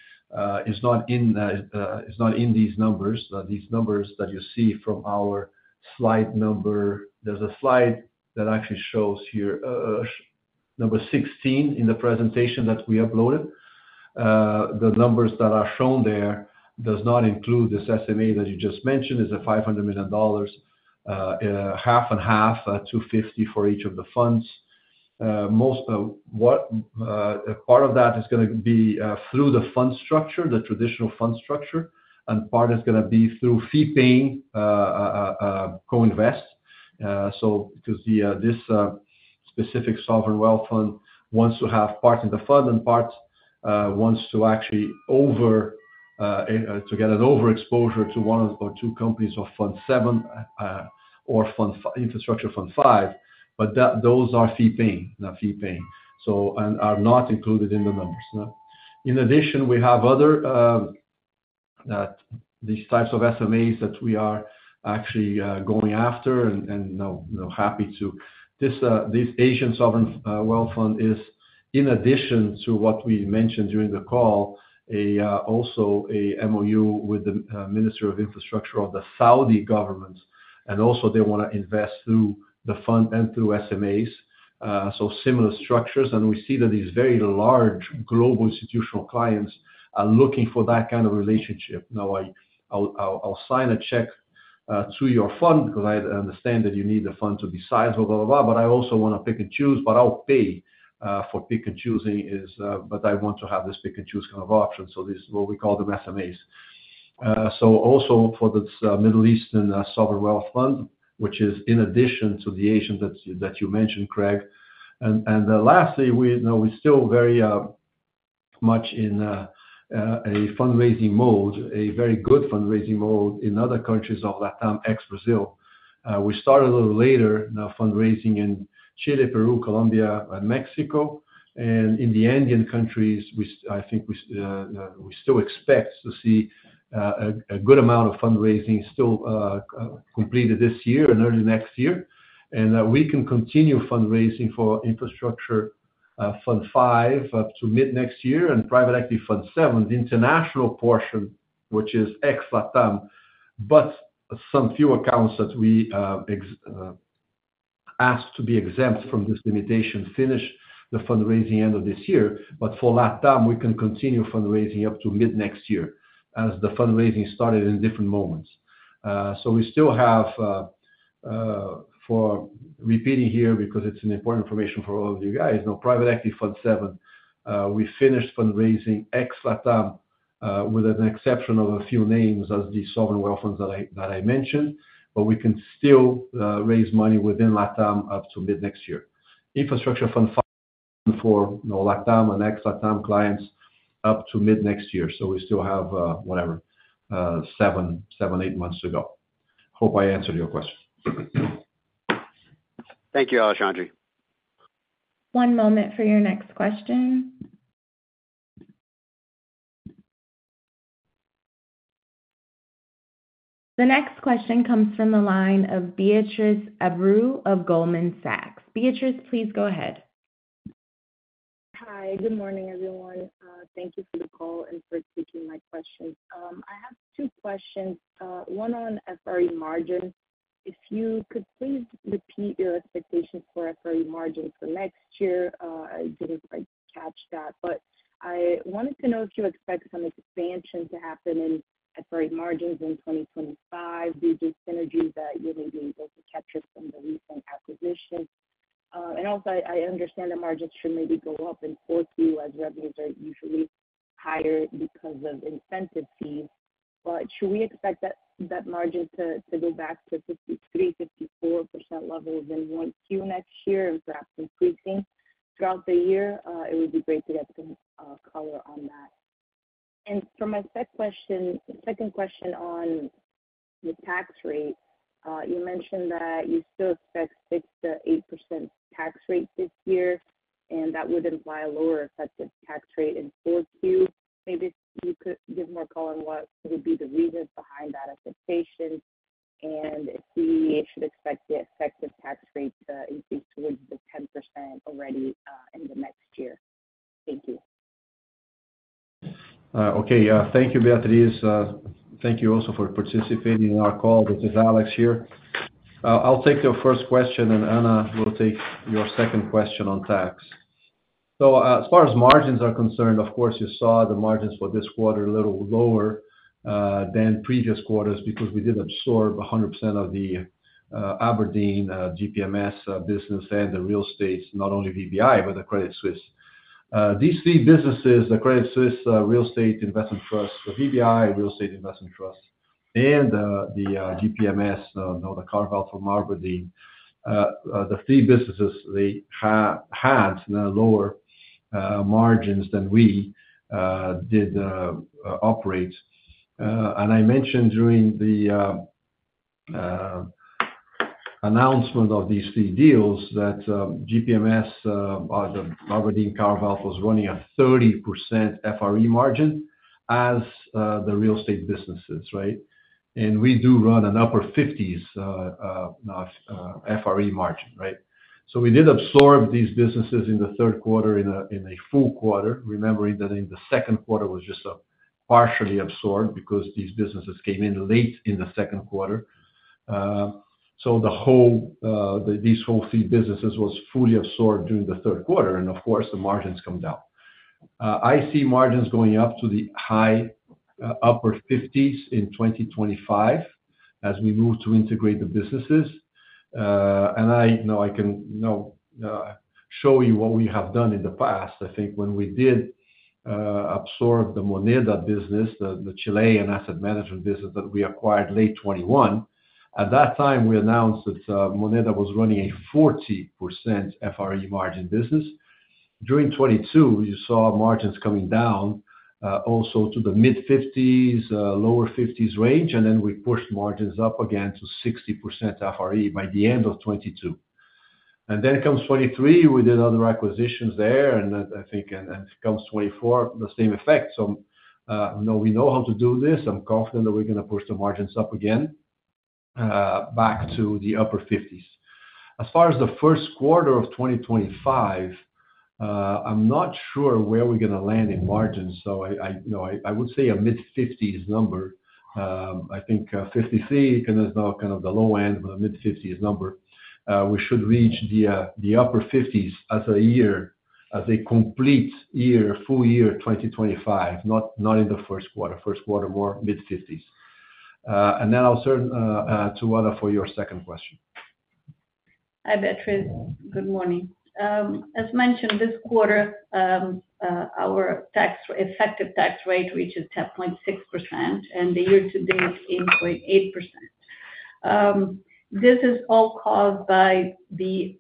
Speaker 3: is not in these numbers. These numbers that you see from our slide number, there's a slide that actually shows here number 16 in the presentation that we uploaded. The numbers that are shown there do not include this SMA that you just mentioned. It's a $500 million, 50/50, $250 for each of the funds. Part of that is going to be through the fund structure, the traditional fund structure, and part is going to be through fee-paying co-invest. Because this specific sovereign wealth fund wants to have parts in the fund and parts wants to actually get an overexposure to one or two companies of fund seven or infrastructure fund five, but those are fee-paying, not fee-paying, and are not included in the numbers. In addition, we have other these types of SMAs that we are actually going after, and happy that this Asian sovereign wealth fund is, in addition to what we mentioned during the call, also an MOU with the Ministry of Infrastructure of the Saudi government, and also they want to invest through the fund and through SMAs, so similar structures. We see that these very large global institutional clients are looking for that kind of relationship. Now, I'll sign a check to your fund because I understand that you need the fund to be sizable, blah, blah, blah, but I also want to pick and choose, but I'll pay for pick and choosing, but I want to have this pick and choose kind of option. So this is what we call them SMAs. So also for this Middle Eastern sovereign wealth fund, which is in addition to the Asian that you mentioned, Craig. And lastly, we're still very much in a fundraising mode, a very good fundraising mode in other countries of LATAM ex-Brazil. We started a little later fundraising in Chile, Peru, Colombia, and Mexico. And in the Andean countries, I think we still expect to see a good amount of fundraising still completed this year and early next year. We can continue fundraising for infrastructure fund five up to mid next year and private equity fund seven, the international portion, which is ex-LATAM, but some few accounts that we ask to be exempt from this limitation finish the fundraising end of this year. But for LATAM, we can continue fundraising up to mid next year as the fundraising started in different moments. So we still have to repeat here because it's an important information for all of you guys, private equity fund seven, we finished fundraising ex-LATAM with an exception of a few names as the sovereign wealth funds that I mentioned, but we can still raise money within LATAM up to mid next year. Infrastructure fund four, LATAM and ex-LATAM clients up to mid next year. So we still have whatever, seven, eight months to go. Hope I answered your question.
Speaker 5: Thank you, Alex Saigh.
Speaker 1: One moment for your next question. The next question comes from the line of Beatriz Abreu of Goldman Sachs. Beatriz, please go ahead.
Speaker 6: Hi, good morning, everyone. Thank you for the call and for taking my questions. I have two questions. One on FRE margins. If you could please repeat your expectations for FRE margins for next year. I didn't quite catch that, but I wanted to know if you expect some expansion to happen in FRE margins in 2025 due to synergies that you may be able to capture from the recent acquisition. And also, I understand the margins should maybe go up in Q4 as revenues are usually higher because of incentive fees. But should we expect that margin to go back to 53%-54% levels in Q1 next year and perhaps increasing throughout the year? It would be great to get some color on that. And for my second question on the tax rate, you mentioned that you still expect 6%-8% tax rate this year, and that would imply a lower effective tax rate in Q4. Maybe you could give more color on what would be the reasons behind that expectation and if we should expect the effective tax rate to increase towards the 10% already in the next year. Thank you.
Speaker 3: Okay. Yeah. Thank you, Beatriz. Thank you also for participating in our call. This is Alex here. I'll take your first question, and Ana will take your second question on tax. So as far as margins are concerned, of course, you saw the margins for this quarter a little lower than previous quarters because we did absorb 100% of the abrdn GPMS business and the real estate, not only VBI, but the Credit Suisse. These three businesses, the Credit Suisse Real Estate Investment Trust, the VBI Real Estate Investment Trust, and the GPMS, the Carveout from abrdn, the three businesses, they had lower margins than we did operate. And I mentioned during the announcement of these three deals that GPMS, abrdn Carveout was running a 30% FRE margin as the real estate businesses, right? And we do run an upper 50s FRE margin, right? So we did absorb these businesses in the third quarter in a full quarter, remembering that in the second quarter was just partially absorbed because these businesses came in late in the second quarter. So these whole three businesses were fully absorbed during the third quarter, and of course, the margins come down. I see margins going up to the high upper 50s% in 2025 as we move to integrate the businesses. And I can now show you what we have done in the past. I think when we did absorb the Moneda business, the Chilean asset management business that we acquired late 2021, at that time, we announced that Moneda was running a 40% FRE margin business. During 2022, you saw margins coming down also to the mid-50s, lower-50s range, and then we pushed margins up again to 60% FRE by the end of 2022. And then comes 2023, we did other acquisitions there, and I think comes 2024, the same effect. So we know how to do this. I'm confident that we're going to push the margins up again back to the upper 50s. As far as the first quarter of 2025, I'm not sure where we're going to land in margins. So I would say a mid 50s number. I think 53 is now kind of the low end, but a mid 50s number. We should reach the upper 50s as a year, as a complete year, full year 2025, not in the first quarter. First quarter, more mid 50s. And then I'll turn to Ana for your second question.
Speaker 4: Hi, Beatriz. Good morning. As mentioned, this quarter, our effective tax rate reaches 10.6%, and the year-to-date is 8.8%. This is all caused by the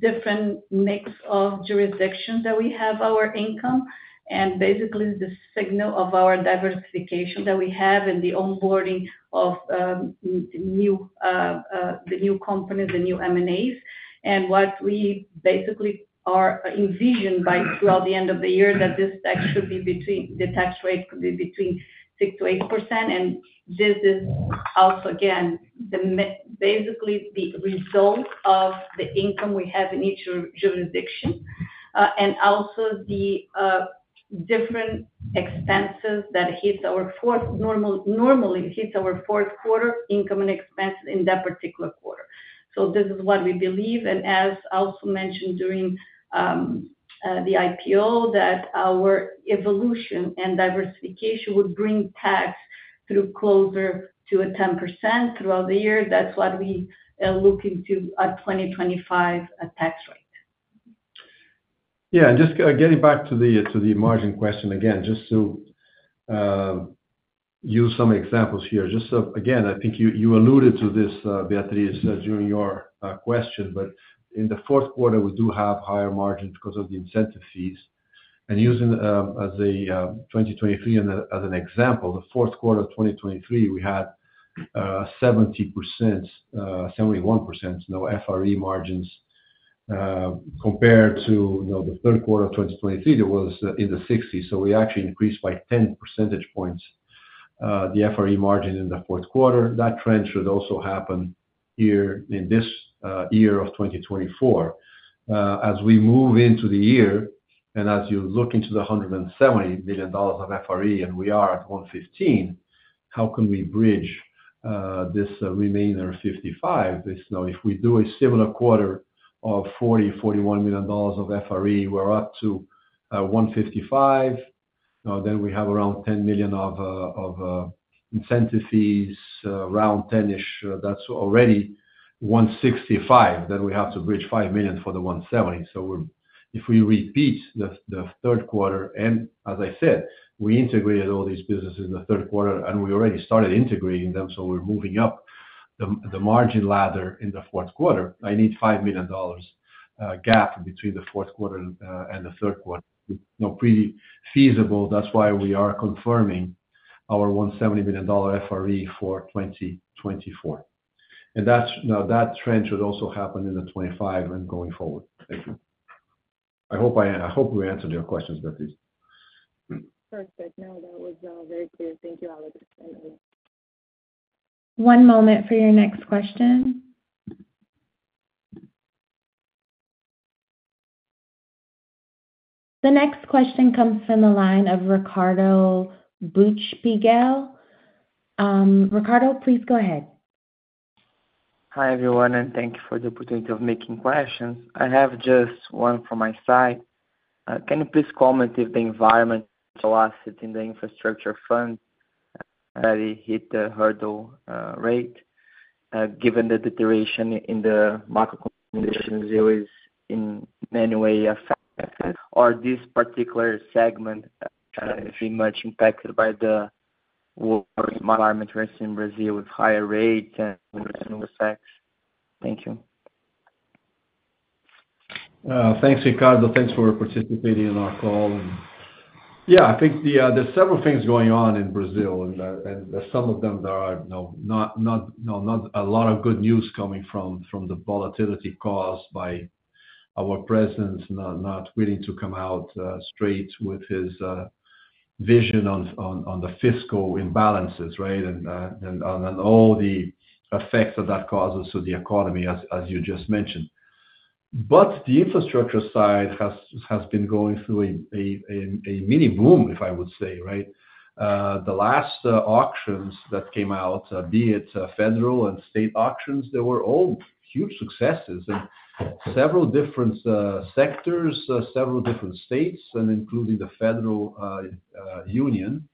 Speaker 4: different mix of jurisdictions that we have our income and basically the signal of our diversification that we have and the onboarding of the new companies, the new M&As. What we basically envisioned by the end of the year is that this tax rate could be between 6%-8%. This is also, again, basically the result of the income we have in each jurisdiction and also the different expenses that normally hit our fourth quarter income and expenses in that particular quarter. So this is what we believe. As also mentioned during the IPO, our evolution and diversification would bring the tax rate closer to 10% throughout the year. That's what we are looking to for a 2025 tax rate.
Speaker 3: Yeah. Just getting back to the margin question again, just to use some examples here. Just again, I think you alluded to this, Beatriz, during your question, but in the fourth quarter, we do have higher margins because of the incentive fees. Using 2023 as an example, the fourth quarter of 2023, we had 70%-71% FRE margins compared to the third quarter of 2023. It was in the 60s. We actually increased by 10 percentage points the FRE margin in the fourth quarter. That trend should also happen here in this year of 2024. As we move into the year and as you look into the $170 million of FRE and we are at $115 million, how can we bridge this remaining $55 million? If we do a similar quarter of $40 million-$41 million of FRE, we're up to $155 million. Then we have around $10 million of incentive fees, around 10-ish. That's already $165 million. Then we have to bridge $5 million for the $170 million. So if we repeat the third quarter, and as I said, we integrated all these businesses in the third quarter, and we already started integrating them, so we're moving up the margin ladder in the fourth quarter. I need $5 million gap between the fourth quarter and the third quarter. It's not too feasible. That's why we are confirming our $170 million FRE for 2024. And that trend should also happen in the 2025 and going forward. Thank you. I hope we answered your questions, Beatriz.
Speaker 6: Perfect. No, that was very clear. Thank you, Alex and Ana.
Speaker 1: One moment for your next question. The next question comes from the line of Ricardo Buchpiguel. Ricardo, please go ahead.
Speaker 7: Hi everyone, and thank you for the opportunity of making questions. I have just one from my side. Can you please comment if the environmental assets in the infrastructure fund that it hit the hurdle rate, given the deterioration in the macro conditions, it was in many ways affected? Or this particular segment is much impacted by the worst environment in Brazil with higher rates and effects? Thank you.
Speaker 3: Thanks, Ricardo. Thanks for participating in our call. Yeah, I think there's several things going on in Brazil, and some of them there are not a lot of good news coming from the volatility caused by our president's not willing to come out straight with his vision on the fiscal imbalances, right, and all the effects that that causes to the economy, as you just mentioned. But the infrastructure side has been going through a mini boom, if I would say, right? The last auctions that came out, be it federal and state auctions, they were all huge successes in several different sectors, several different states, and including the federal union.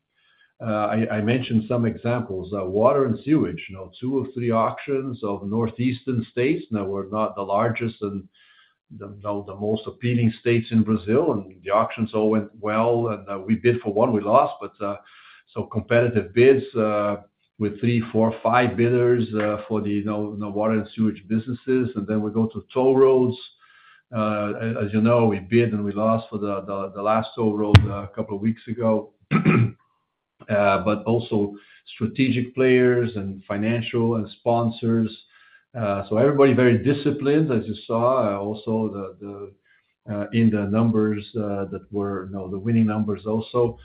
Speaker 3: I mentioned some examples, water and sewage, two or three auctions of northeastern states that were not the largest and the most appealing states in Brazil, and the auctions all went well, and we bid for one, we lost, but so competitive bids with three, four, five bidders for the water and sewage businesses, and then we go to toll roads. As you know, we bid and we lost for the last toll road a couple of weeks ago, but also strategic players and financial and sponsors, so everybody very disciplined, as you saw, also in the numbers that were the winning numbers also.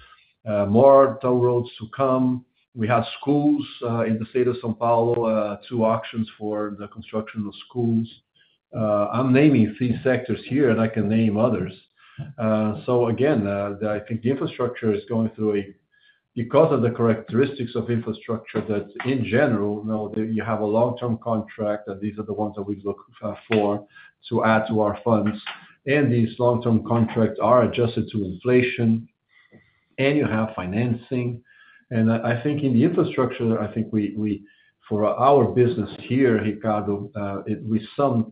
Speaker 3: More toll roads to come. We have schools in the state of São Paulo, two auctions for the construction of schools. I'm naming three sectors here, and I can name others, so again, I think the infrastructure is going through a because of the characteristics of infrastructure that in general, you have a long-term contract, and these are the ones that we look for to add to our funds, and these long-term contracts are adjusted to inflation, and you have financing, and I think in the infrastructure, I think for our business here, Ricardo, with some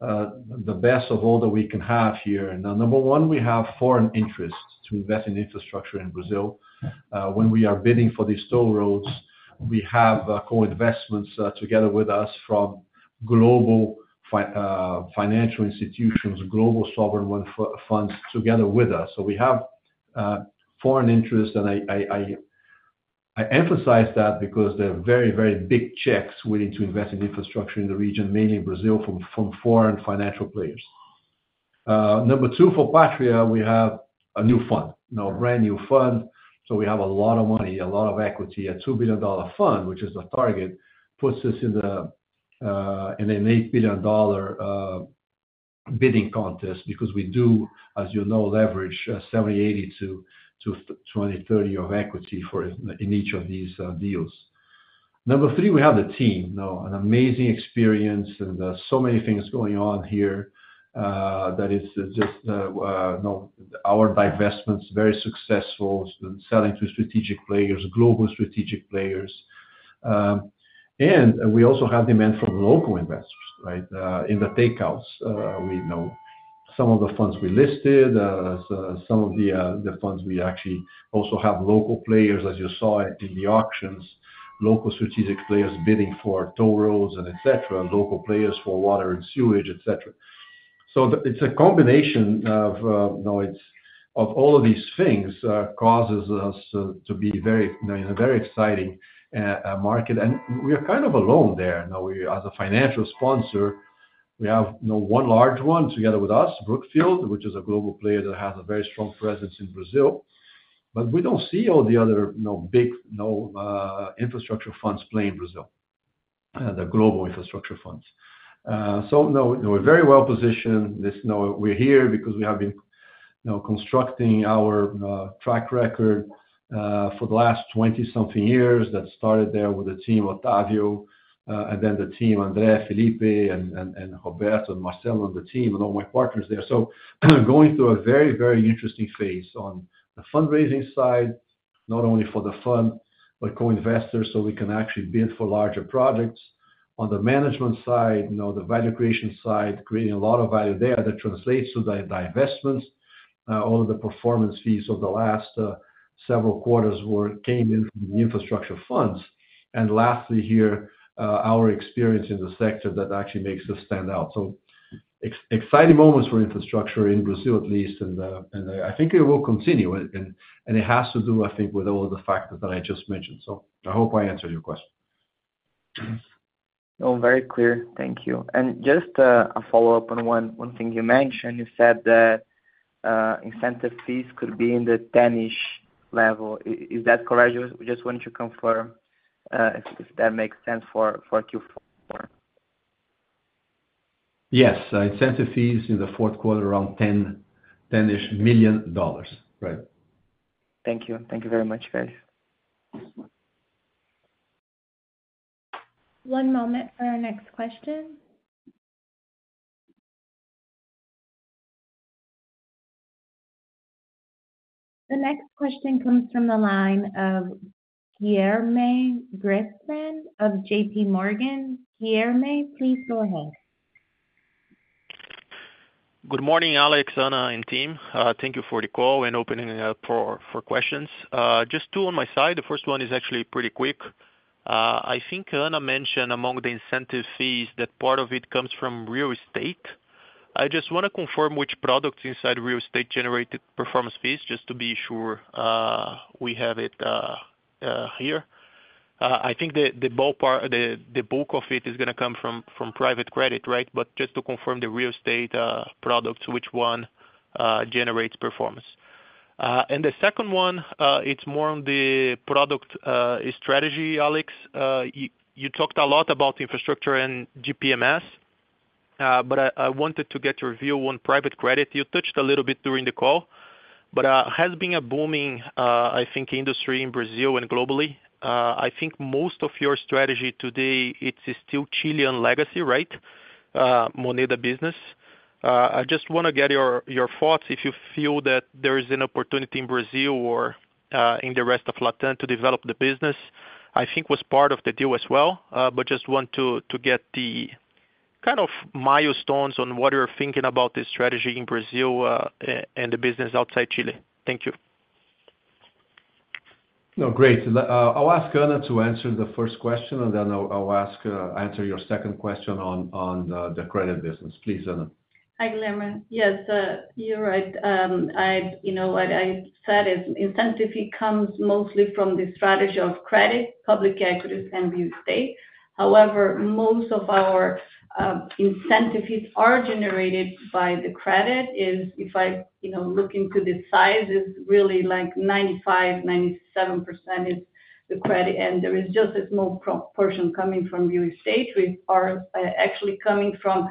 Speaker 3: of the best of all that we can have here. Number one, we have foreign interests to invest in infrastructure in Brazil. When we are bidding for these toll roads, we have co-investments together with us from global financial institutions, global sovereign funds together with us. So we have foreign interests, and I emphasize that because they're very, very big checks willing to invest in infrastructure in the region, mainly in Brazil, from foreign financial players. Number two, for Patria, we have a new fund, a brand new fund. So we have a lot of money, a lot of equity, a $2 billion fund, which is the target, puts us in an $8 billion bidding contest because we do, as you know, leverage 70-80 to 20-30 of equity in each of these deals. Number three, we have the team, an amazing experience and so many things going on here that it's just our divestments, very successful, selling to strategic players, global strategic players. And we also have demand from local investors, right, in the takeouts. We know some of the funds we listed, some of the funds we actually also have local players, as you saw in the auctions, local strategic players bidding for toll roads, etc., local players for water and sewage, etc. So it's a combination of all of these things that causes us to be in a very exciting market. And we are kind of alone there. As a financial sponsor, we have one large one together with us, Brookfield, which is a global player that has a very strong presence in Brazil. But we don't see all the other big infrastructure funds playing in Brazil, the global infrastructure funds. So we're very well positioned. We're here because we have been constructing our track record for the last 20-something years that started there with the team Octavio, and then the team André, Felipe, and Roberto and Marcelo on the team, and all my partners there, so going through a very, very interesting phase on the fundraising side, not only for the fund, but co-investors so we can actually bid for larger projects. On the management side, the value creation side, creating a lot of value there that translates to the divestments, all of the performance fees of the last several quarters came in from the infrastructure funds, and lastly here, our experience in the sector that actually makes us stand out, so exciting moments for infrastructure in Brazil, at least, and I think it will continue, and it has to do, I think, with all of the factors that I just mentioned. So I hope I answered your question.
Speaker 7: Very clear. Thank you. And just a follow-up on one thing you mentioned. You said that incentive fees could be in the $10-ish million level. Is that correct? We just wanted to confirm if that makes sense for Q4.
Speaker 3: Yes. Incentive fees in the fourth quarter, around $10-ish million, right?
Speaker 7: Thank you. Thank you very much, guys.
Speaker 1: One moment for our next question. The next question comes from the line of Guilherme Grespan of JPMorgan. Guilherme, please go ahead.
Speaker 8: Good morning, Alex, Anna, and team. Thank you for the call and opening up for questions. Just two on my side. The first one is actually pretty quick. I think Anna mentioned among the incentive fees that part of it comes from real estate. I just want to confirm which products inside real estate generated performance fees, just to be sure we have it here. I think the bulk of it is going to come from private credit, right? But just to confirm the real estate products, which one generates performance? And the second one, it's more on the product strategy, Alex. You talked a lot about infrastructure and GPMS, but I wanted to get your view on private credit. You touched a little bit during the call, but has been a booming, I think, industry in Brazil and globally. I think most of your strategy today, it's still Chilean legacy, right? Moneda business. I just want to get your thoughts if you feel that there is an opportunity in Brazil or in the rest of Latin to develop the business. I think was part of the deal as well, but just want to get the kind of milestones on what you're thinking about this strategy in Brazil and the business outside Chile. Thank you.
Speaker 3: No, great. I'll ask Ana to answer the first question, and then I'll answer your second question on the credit business. Please, Ana.
Speaker 4: Hi, Guilherme. Yes, you're right. You know what I said is incentive fee comes mostly from the strategy of credit, public equities, and real estate. However, most of our incentive fees are generated by the credit. If I look into the size, it's really like 95%-97% is the credit, and there is just a small portion coming from real estate, which are actually coming from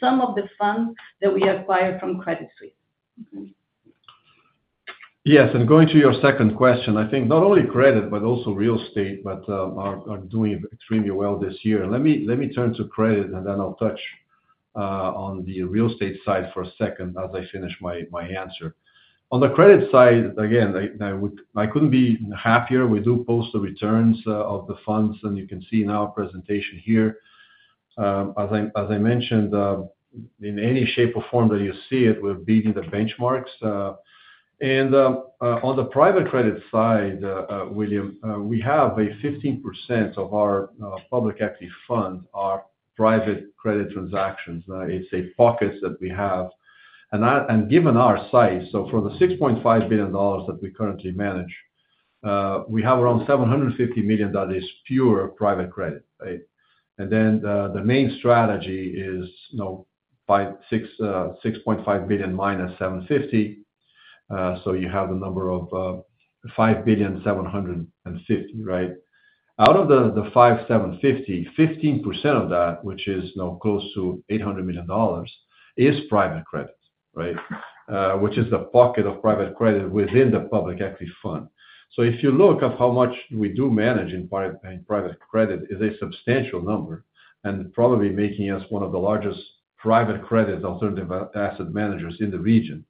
Speaker 4: some of the funds that we acquire from Credit Suisse.
Speaker 3: Yes. And going to your second question, I think not only credit, but also real estate, but are doing extremely well this year. Let me turn to credit, and then I'll touch on the real estate side for a second as I finish my answer. On the credit side, again, I couldn't be happier. We do post the returns of the funds, and you can see in our presentation here, as I mentioned, in any shape or form that you see it, we're beating the benchmarks. And on the private credit side, Guilherme, we have 15% of our public equity funds are private credit transactions. It's a pocket that we have. And given our size, so for the $6.5 billion that we currently manage, we have around $750 million that is pure private credit, right? And then the main strategy is $6.5 billion minus $750 million. So you have the number of $5.75 billion, right? Out of the $5.75 billion, 15% of that, which is close to $800 million, is private credit, right? Which is the pocket of private credit within the public equity fund. So if you look at how much we do manage in private credit, it's a substantial number, and probably making us one of the largest private credit alternative asset managers in the region.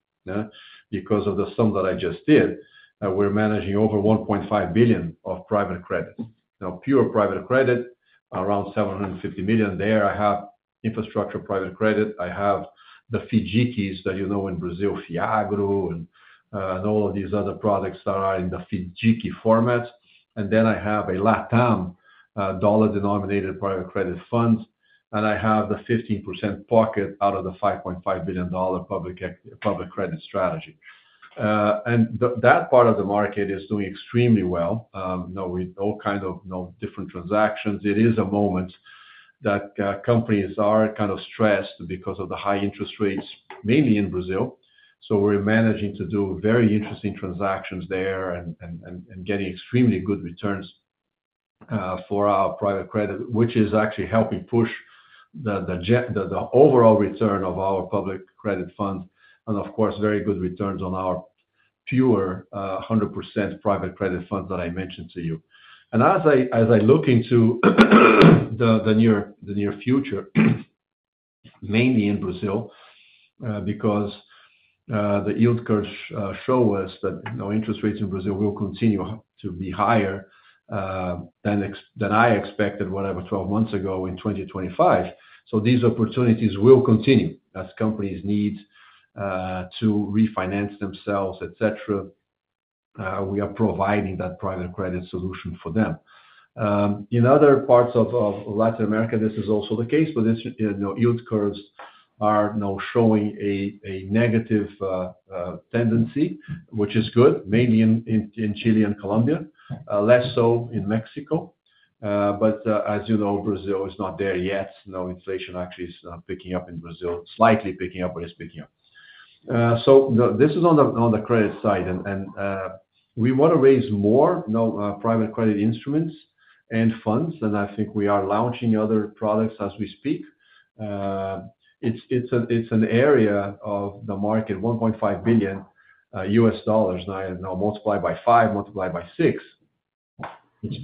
Speaker 3: Because of the sum that I just did, we're managing over $1.5 billion of private credit. Now, pure private credit, around $750 million. There I have infrastructure private credit. I have the FIDICs that you know in Brazil, Fiagro, and all of these other products that are in the FIDIC format. And then I have a LATAM dollar-denominated private credit fund, and I have the 15% pocket out of the $5.5 billion public credit strategy. And that part of the market is doing extremely well. All kinds of different transactions. It is a moment that companies are kind of stressed because of the high interest rates, mainly in Brazil. So we're managing to do very interesting transactions there and getting extremely good returns for our private credit, which is actually helping push the overall return of our public credit fund. And of course, very good returns on our pure 100% private credit funds that I mentioned to you. And as I look into the near future, mainly in Brazil, because the yield curves show us that interest rates in Brazil will continue to be higher than I expected, whatever, 12 months ago in 2025. So these opportunities will continue as companies need to refinance themselves, etc. We are providing that private credit solution for them. In other parts of Latin America, this is also the case, but yield curves are now showing a negative tendency, which is good, mainly in Chile and Colombia, less so in Mexico. But as you know, Brazil is not there yet. Inflation actually is picking up in Brazil, slightly picking up, but it's picking up. So this is on the credit side, and we want to raise more private credit instruments and funds, and I think we are launching other products as we speak. It's an area of the market, $1.5 billion, now multiplied by five, multiplied by six. It's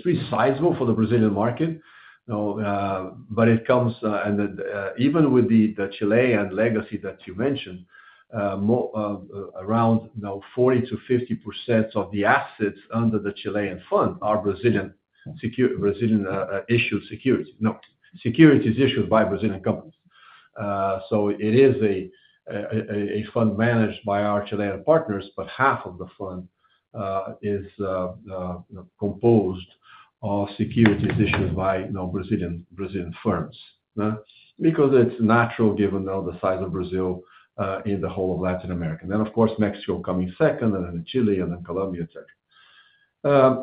Speaker 3: pretty sizable for the Brazilian market, but it comes, and even with the Chilean legacy that you mentioned, around 40%-50% of the assets under the Chilean fund are Brazilian issued securities. No, securities issued by Brazilian companies. It is a fund managed by our Chilean partners, but half of the fund is composed of securities issued by Brazilian firms. Because it's natural given the size of Brazil in the whole of Latin America. And then, of course, Mexico coming second, and then Chile, and then Colombia, etc.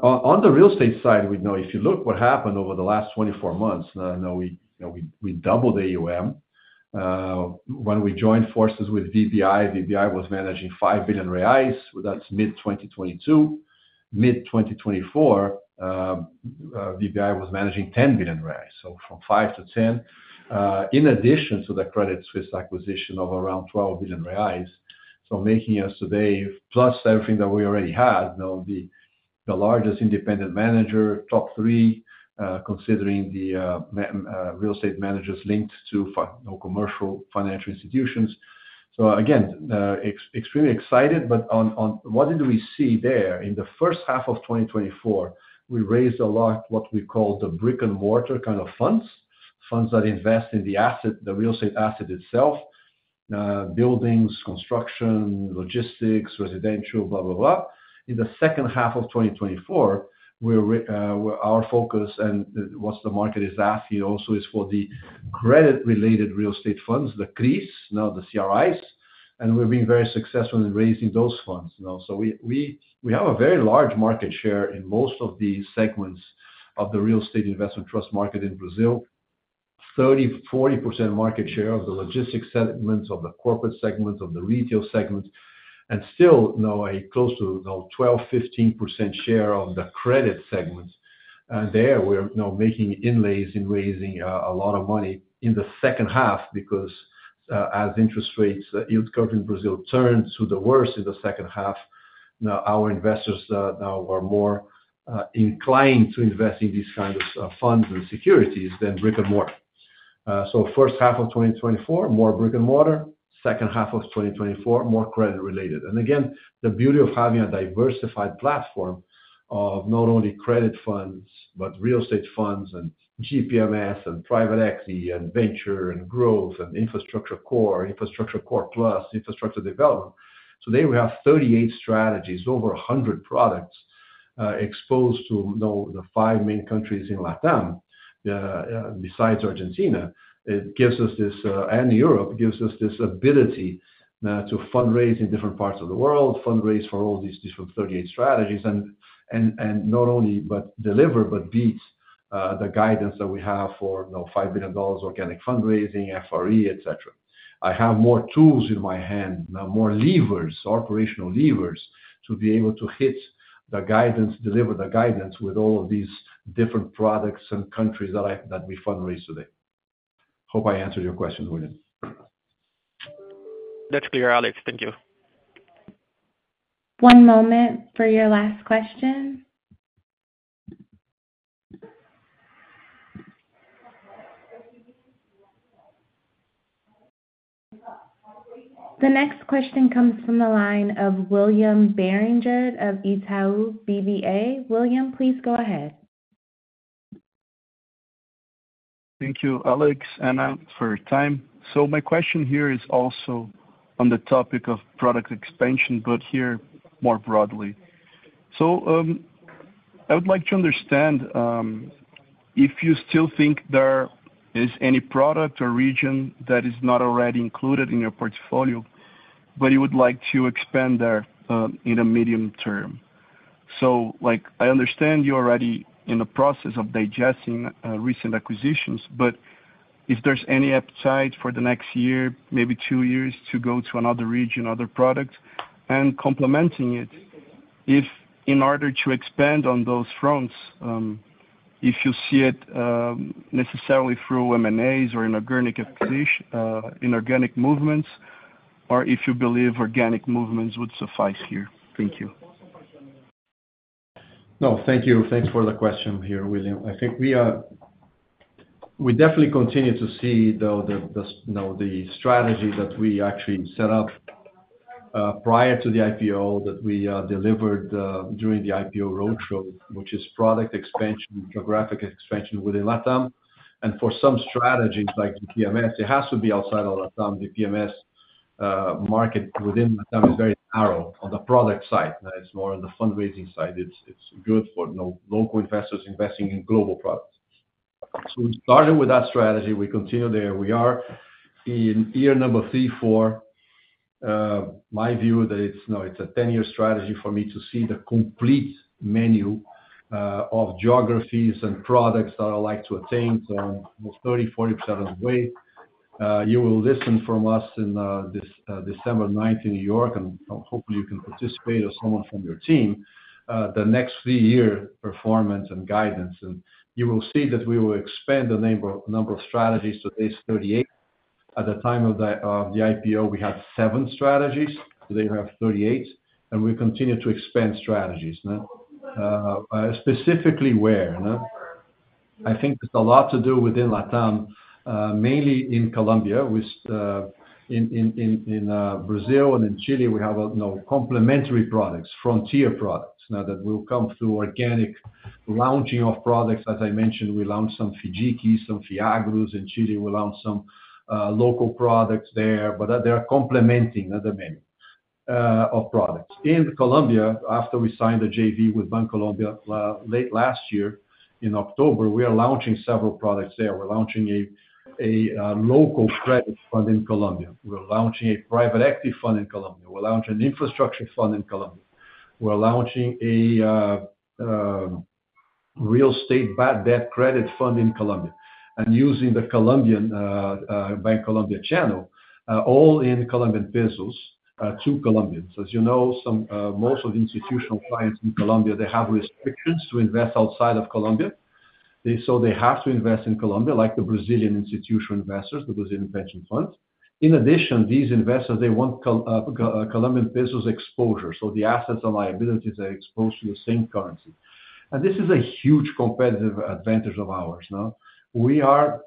Speaker 3: On the real estate side, if you look at what happened over the last 24 months, we doubled the AUM. When we joined forces with VBI, VBI was managing 5 billion reais. That's mid-2022. Mid-2024, VBI was managing 10 billion reais. So from 5 billion-10 billion, in addition to the Credit Suisse acquisition of around 12 billion reais. So making us today, plus everything that we already had, the largest independent manager, top three, considering the real estate managers linked to commercial financial institutions. So again, extremely excited, but what did we see there? In the first half of 2024, we raised a lot what we call the brick-and-mortar kind of funds, funds that invest in the real estate asset itself, buildings, construction, logistics, residential, blah, blah, blah. In the second half of 2024, our focus and what the market is asking also is for the credit-related real estate funds, the CRIs, and we've been very successful in raising those funds, so we have a very large market share in most of the segments of the real estate investment trust market in Brazil, 30%-40% market share of the logistics segments, of the corporate segments, of the retail segments, and still close to 12%-15% share of the credit segments. And there we're making inroads in raising a lot of money in the second half because as interest rates, yield curve in Brazil turned for the worst in the second half, our investors were more inclined to invest in these kinds of funds and securities than brick-and-mortar. So first half of 2024, more brick-and-mortar. Second half of 2024, more credit-related. And again, the beauty of having a diversified platform of not only credit funds, but real estate funds and GPMS and private equity and venture and growth and infrastructure core, infrastructure core plus, infrastructure development. Today we have 38 strategies, over 100 products exposed to the five main countries in LATAM besides Argentina. It gives us this, and Europe gives us this ability to fundraise in different parts of the world, fundraise for all these different 38 strategies, and not only deliver, but beat the guidance that we have for $5 billion organic fundraising, FRE, etc. I have more tools in my hand, more levers, operational levers to be able to hit the guidance, deliver the guidance with all of these different products and countries that we fundraise today. Hope I answered your question, Guilherme.
Speaker 8: That's clear, Alex. Thank you.
Speaker 1: One moment for your last question. The next question comes from the line of William Barranjard of Itaú BBA. William, please go ahead.
Speaker 9: Thank you, Alex, Anna, for your time. So my question here is also on the topic of product expansion, but here more broadly. So I would like to understand if you still think there is any product or region that is not already included in your portfolio, but you would like to expand there in a medium term? So I understand you're already in the process of digesting recent acquisitions, but if there's any appetite for the next year, maybe two years, to go to another region, other products, and complementing it, in order to expand on those fronts, if you see it necessarily through M&As or inorganic movements, or if you believe organic movements would suffice here. Thank you.
Speaker 3: No, thank you. Thanks for the question here, William. I think we definitely continue to see the strategy that we actually set up prior to the IPO that we delivered during the IPO roadshow, which is product expansion, geographic expansion within LATAM. For some strategies like GPMS, it has to be outside of LATAM. GPMS market within LATAM is very narrow on the product side. It's more on the fundraising side. It's good for local investors investing in global products. Starting with that strategy, we continue there. We are in year number three, four. My view that it's a 10-year strategy for me to see the complete menu of geographies and products that I like to attain to 30%-40% of the way. You will listen from us in December 9th in New York, and hopefully you can participate as someone from your team, the next three-year performance and guidance. You will see that we will expand the number of strategies. Today is 38. At the time of the IPO, we had seven strategies. Today we have 38, and we continue to expand strategies. Specifically where? I think it's a lot to do within LATAM, mainly in Colombia. In Brazil and in Chile, we have complementary products, frontier products that will come through organic launching of products. As I mentioned, we launched some FIDICs, some Fiagros in Chile. We launched some local products there, but they are complementing the menu of products. In Colombia, after we signed the JV with Bancolombia late last year in October, we are launching several products there. We're launching a local credit fund in Colombia. We're launching a private equity fund in Colombia. We're launching an infrastructure fund in Colombia. We're launching a real estate debt credit fund in Colombia and using the Colombian Bancolombia channel, all in Colombian pesos to Colombians. As you know, most of the institutional clients in Colombia, they have restrictions to invest outside of Colombia. So they have to invest in Colombia, like the Brazilian institutional investors, the Brazilian pension funds. In addition, these investors, they want Colombian pesos exposure. So the assets and liabilities are exposed to the same currency. And this is a huge competitive advantage of ours. We are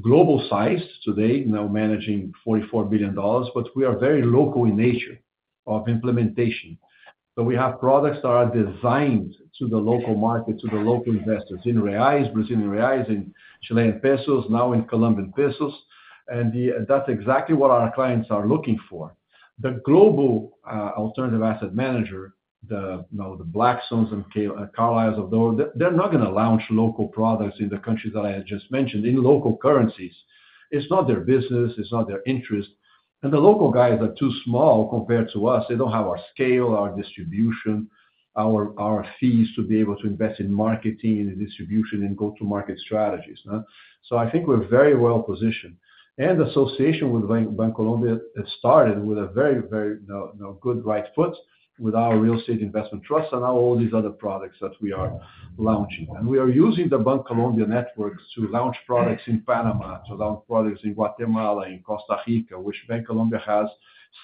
Speaker 3: global-sized today, now managing $44 billion, but we are very local in nature of implementation. So we have products that are designed to the local market, to the local investors in Brazilian reais, in Chilean pesos, now in Colombian pesos. And that's exactly what our clients are looking for. The global alternative asset manager, the Blackstones and Carlyles of the world, they're not going to launch local products in the countries that I just mentioned in local currencies. It's not their business. It's not their interest. And the local guys are too small compared to us. They don't have our scale, our distribution, our fees to be able to invest in marketing and distribution and go-to-market strategies. So I think we're very well positioned. And the association with Bancolombia started with a very, very good right foot with our real estate investment trusts and all these other products that we are launching. And we are using the Bancolombia networks to launch products in Panama, to launch products in Guatemala, in Costa Rica, which Bancolombia has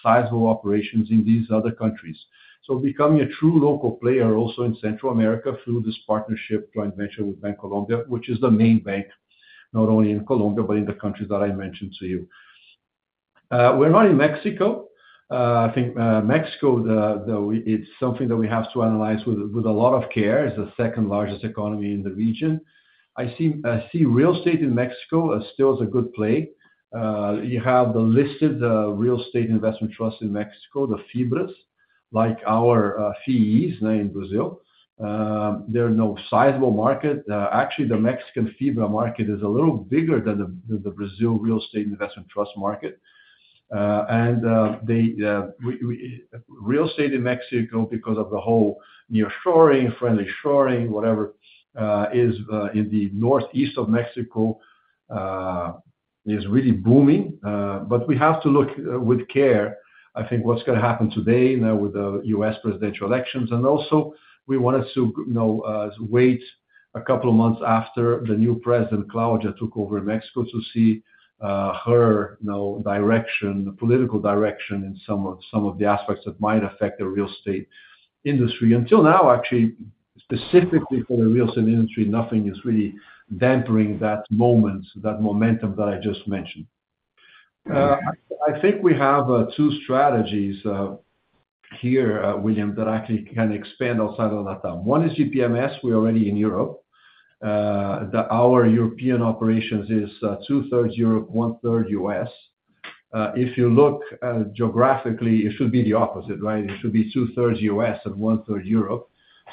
Speaker 3: sizable operations in these other countries. So becoming a true local player also in Central America through this partnership joint venture with Bancolombia, which is the main bank, not only in Colombia, but in the countries that I mentioned to you. We're not in Mexico. I think Mexico, it's something that we have to analyze with a lot of care. It's the second largest economy in the region. I see real estate in Mexico still as a good play. You have the listed real estate investment trust in Mexico, the FIBRAs, like our FIIs in Brazil. They're a sizable market. Actually, the Mexican FIBRA market is a little bigger than the Brazil real estate investment trust market. And real estate in Mexico, because of the whole nearshoring, friendly shoring, whatever is in the northeast of Mexico, is really booming. But we have to look with care, I think, what's going to happen today with the U.S. presidential elections. And also, we wanted to wait a couple of months after the new president, Claudia, took over in Mexico to see her direction, political direction in some of the aspects that might affect the real estate industry. Until now, actually, specifically for the real estate industry, nothing is really dampening that momentum that I just mentioned. I think we have two strategies here, William, that actually can expand outside of LATAM. One is GPMS. We're already in Europe. Our European operations is two-thirds Europe, one-third U.S. If you look geographically, it should be the opposite, right? It should be two-thirds U.S. and one-third Europe.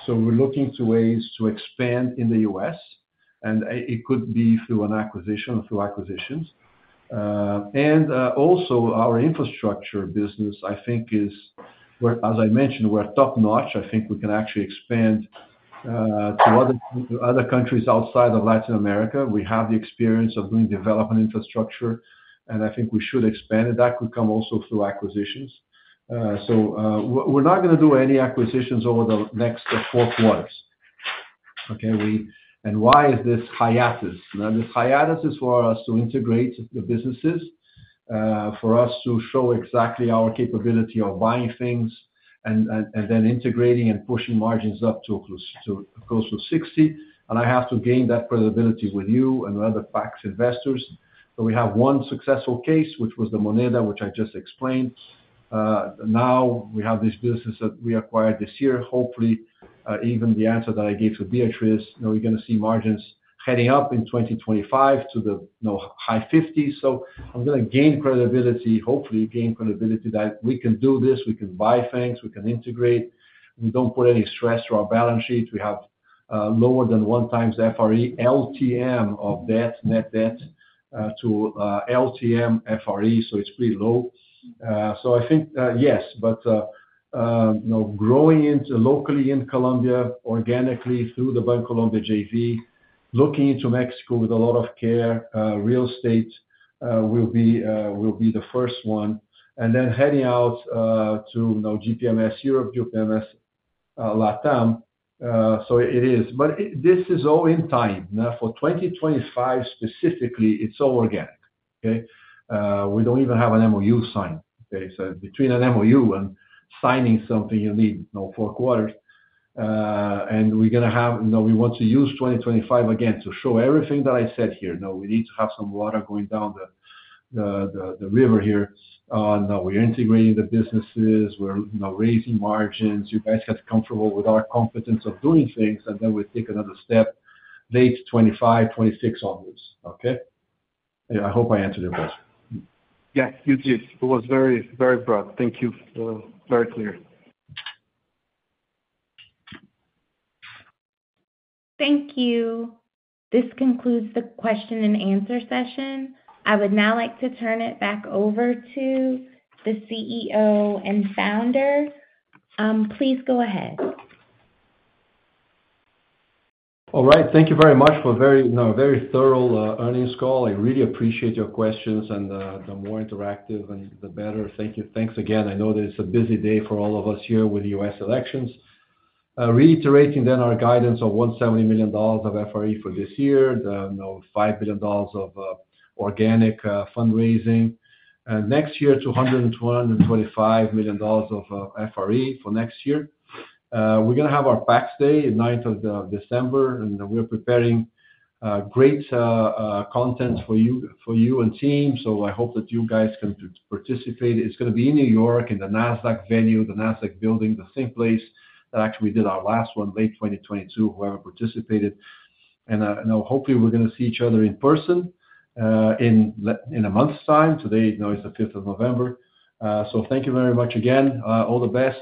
Speaker 3: So we're looking to ways to expand in the U.S. And it could be through an acquisition or through acquisitions. And also, our infrastructure business, I think, as I mentioned, we're top-notch. I think we can actually expand to other countries outside of Latin America. We have the experience of doing development infrastructure, and I think we should expand. And that could come also through acquisitions. So we're not going to do any acquisitions over the next four quarters. Okay? Why is this hiatus? This hiatus is for us to integrate the businesses, for us to show exactly our capability of buying things and then integrating and pushing margins up to close to 60%. And I have to gain that credibility with you and other PAX investors. So we have one successful case, which was the Moneda, which I just explained. Now we have this business that we acquired this year. Hopefully, even the answer that I gave to Beatriz, we're going to see margins heading up in 2025 to the high 50s%. So I'm going to gain credibility, hopefully gain credibility that we can do this, we can buy things, we can integrate. We don't put any stress to our balance sheet. We have lower than one times FRE, LTM of debt, net debt to LTM FRE. So it's pretty low. So I think, yes, but growing locally in Colombia organically through the Bancolombia JV, looking into Mexico with a lot of care, real estate will be the first one. And then heading out to GPMS Europe, GPMS LATAM. So it is. But this is all in time. For 2025 specifically, it's all organic. Okay? We don't even have an MOU signed. Okay? So between an MOU and signing something, you need four quarters. And we're going to have we want to use 2025 again to show everything that I said here. We need to have some water going down the river here. We're integrating the businesses. We're raising margins. You guys get comfortable with our competence of doing things, and then we take another step late 2025, 2026 on this. Okay? I hope I answered your question.
Speaker 9: Yes, you did. It was very broad. Thank you. Very clear.
Speaker 1: Thank you. This concludes the question and answer session. I would now like to turn it back over to the CEO and founder. Please go ahead.
Speaker 3: All right. Thank you very much for a very thorough earnings call. I really appreciate your questions, and the more interactive, the better. Thank you. Thanks again. I know that it's a busy day for all of us here with U.S. elections. Reiterating then our guidance of $170 million of FRE for this year, $5 billion of organic fundraising, and next year, $225 million of FRE for next year. We're going to have our Investor Day on the 9th of December, and we're preparing great content for you and team. So I hope that you guys can participate. It's going to be in New York in the Nasdaq venue, the Nasdaq building, the same place that actually did our last one late 2022, whoever participated, and hopefully, we're going to see each other in person in a month's time. Today is the 5th of November, so thank you very much again. All the best,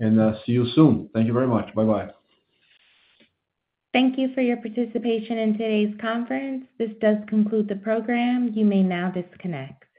Speaker 3: and see you soon. Thank you very much. Bye-bye.
Speaker 1: Thank you for your participation in today's conference. This does conclude the program. You may now disconnect.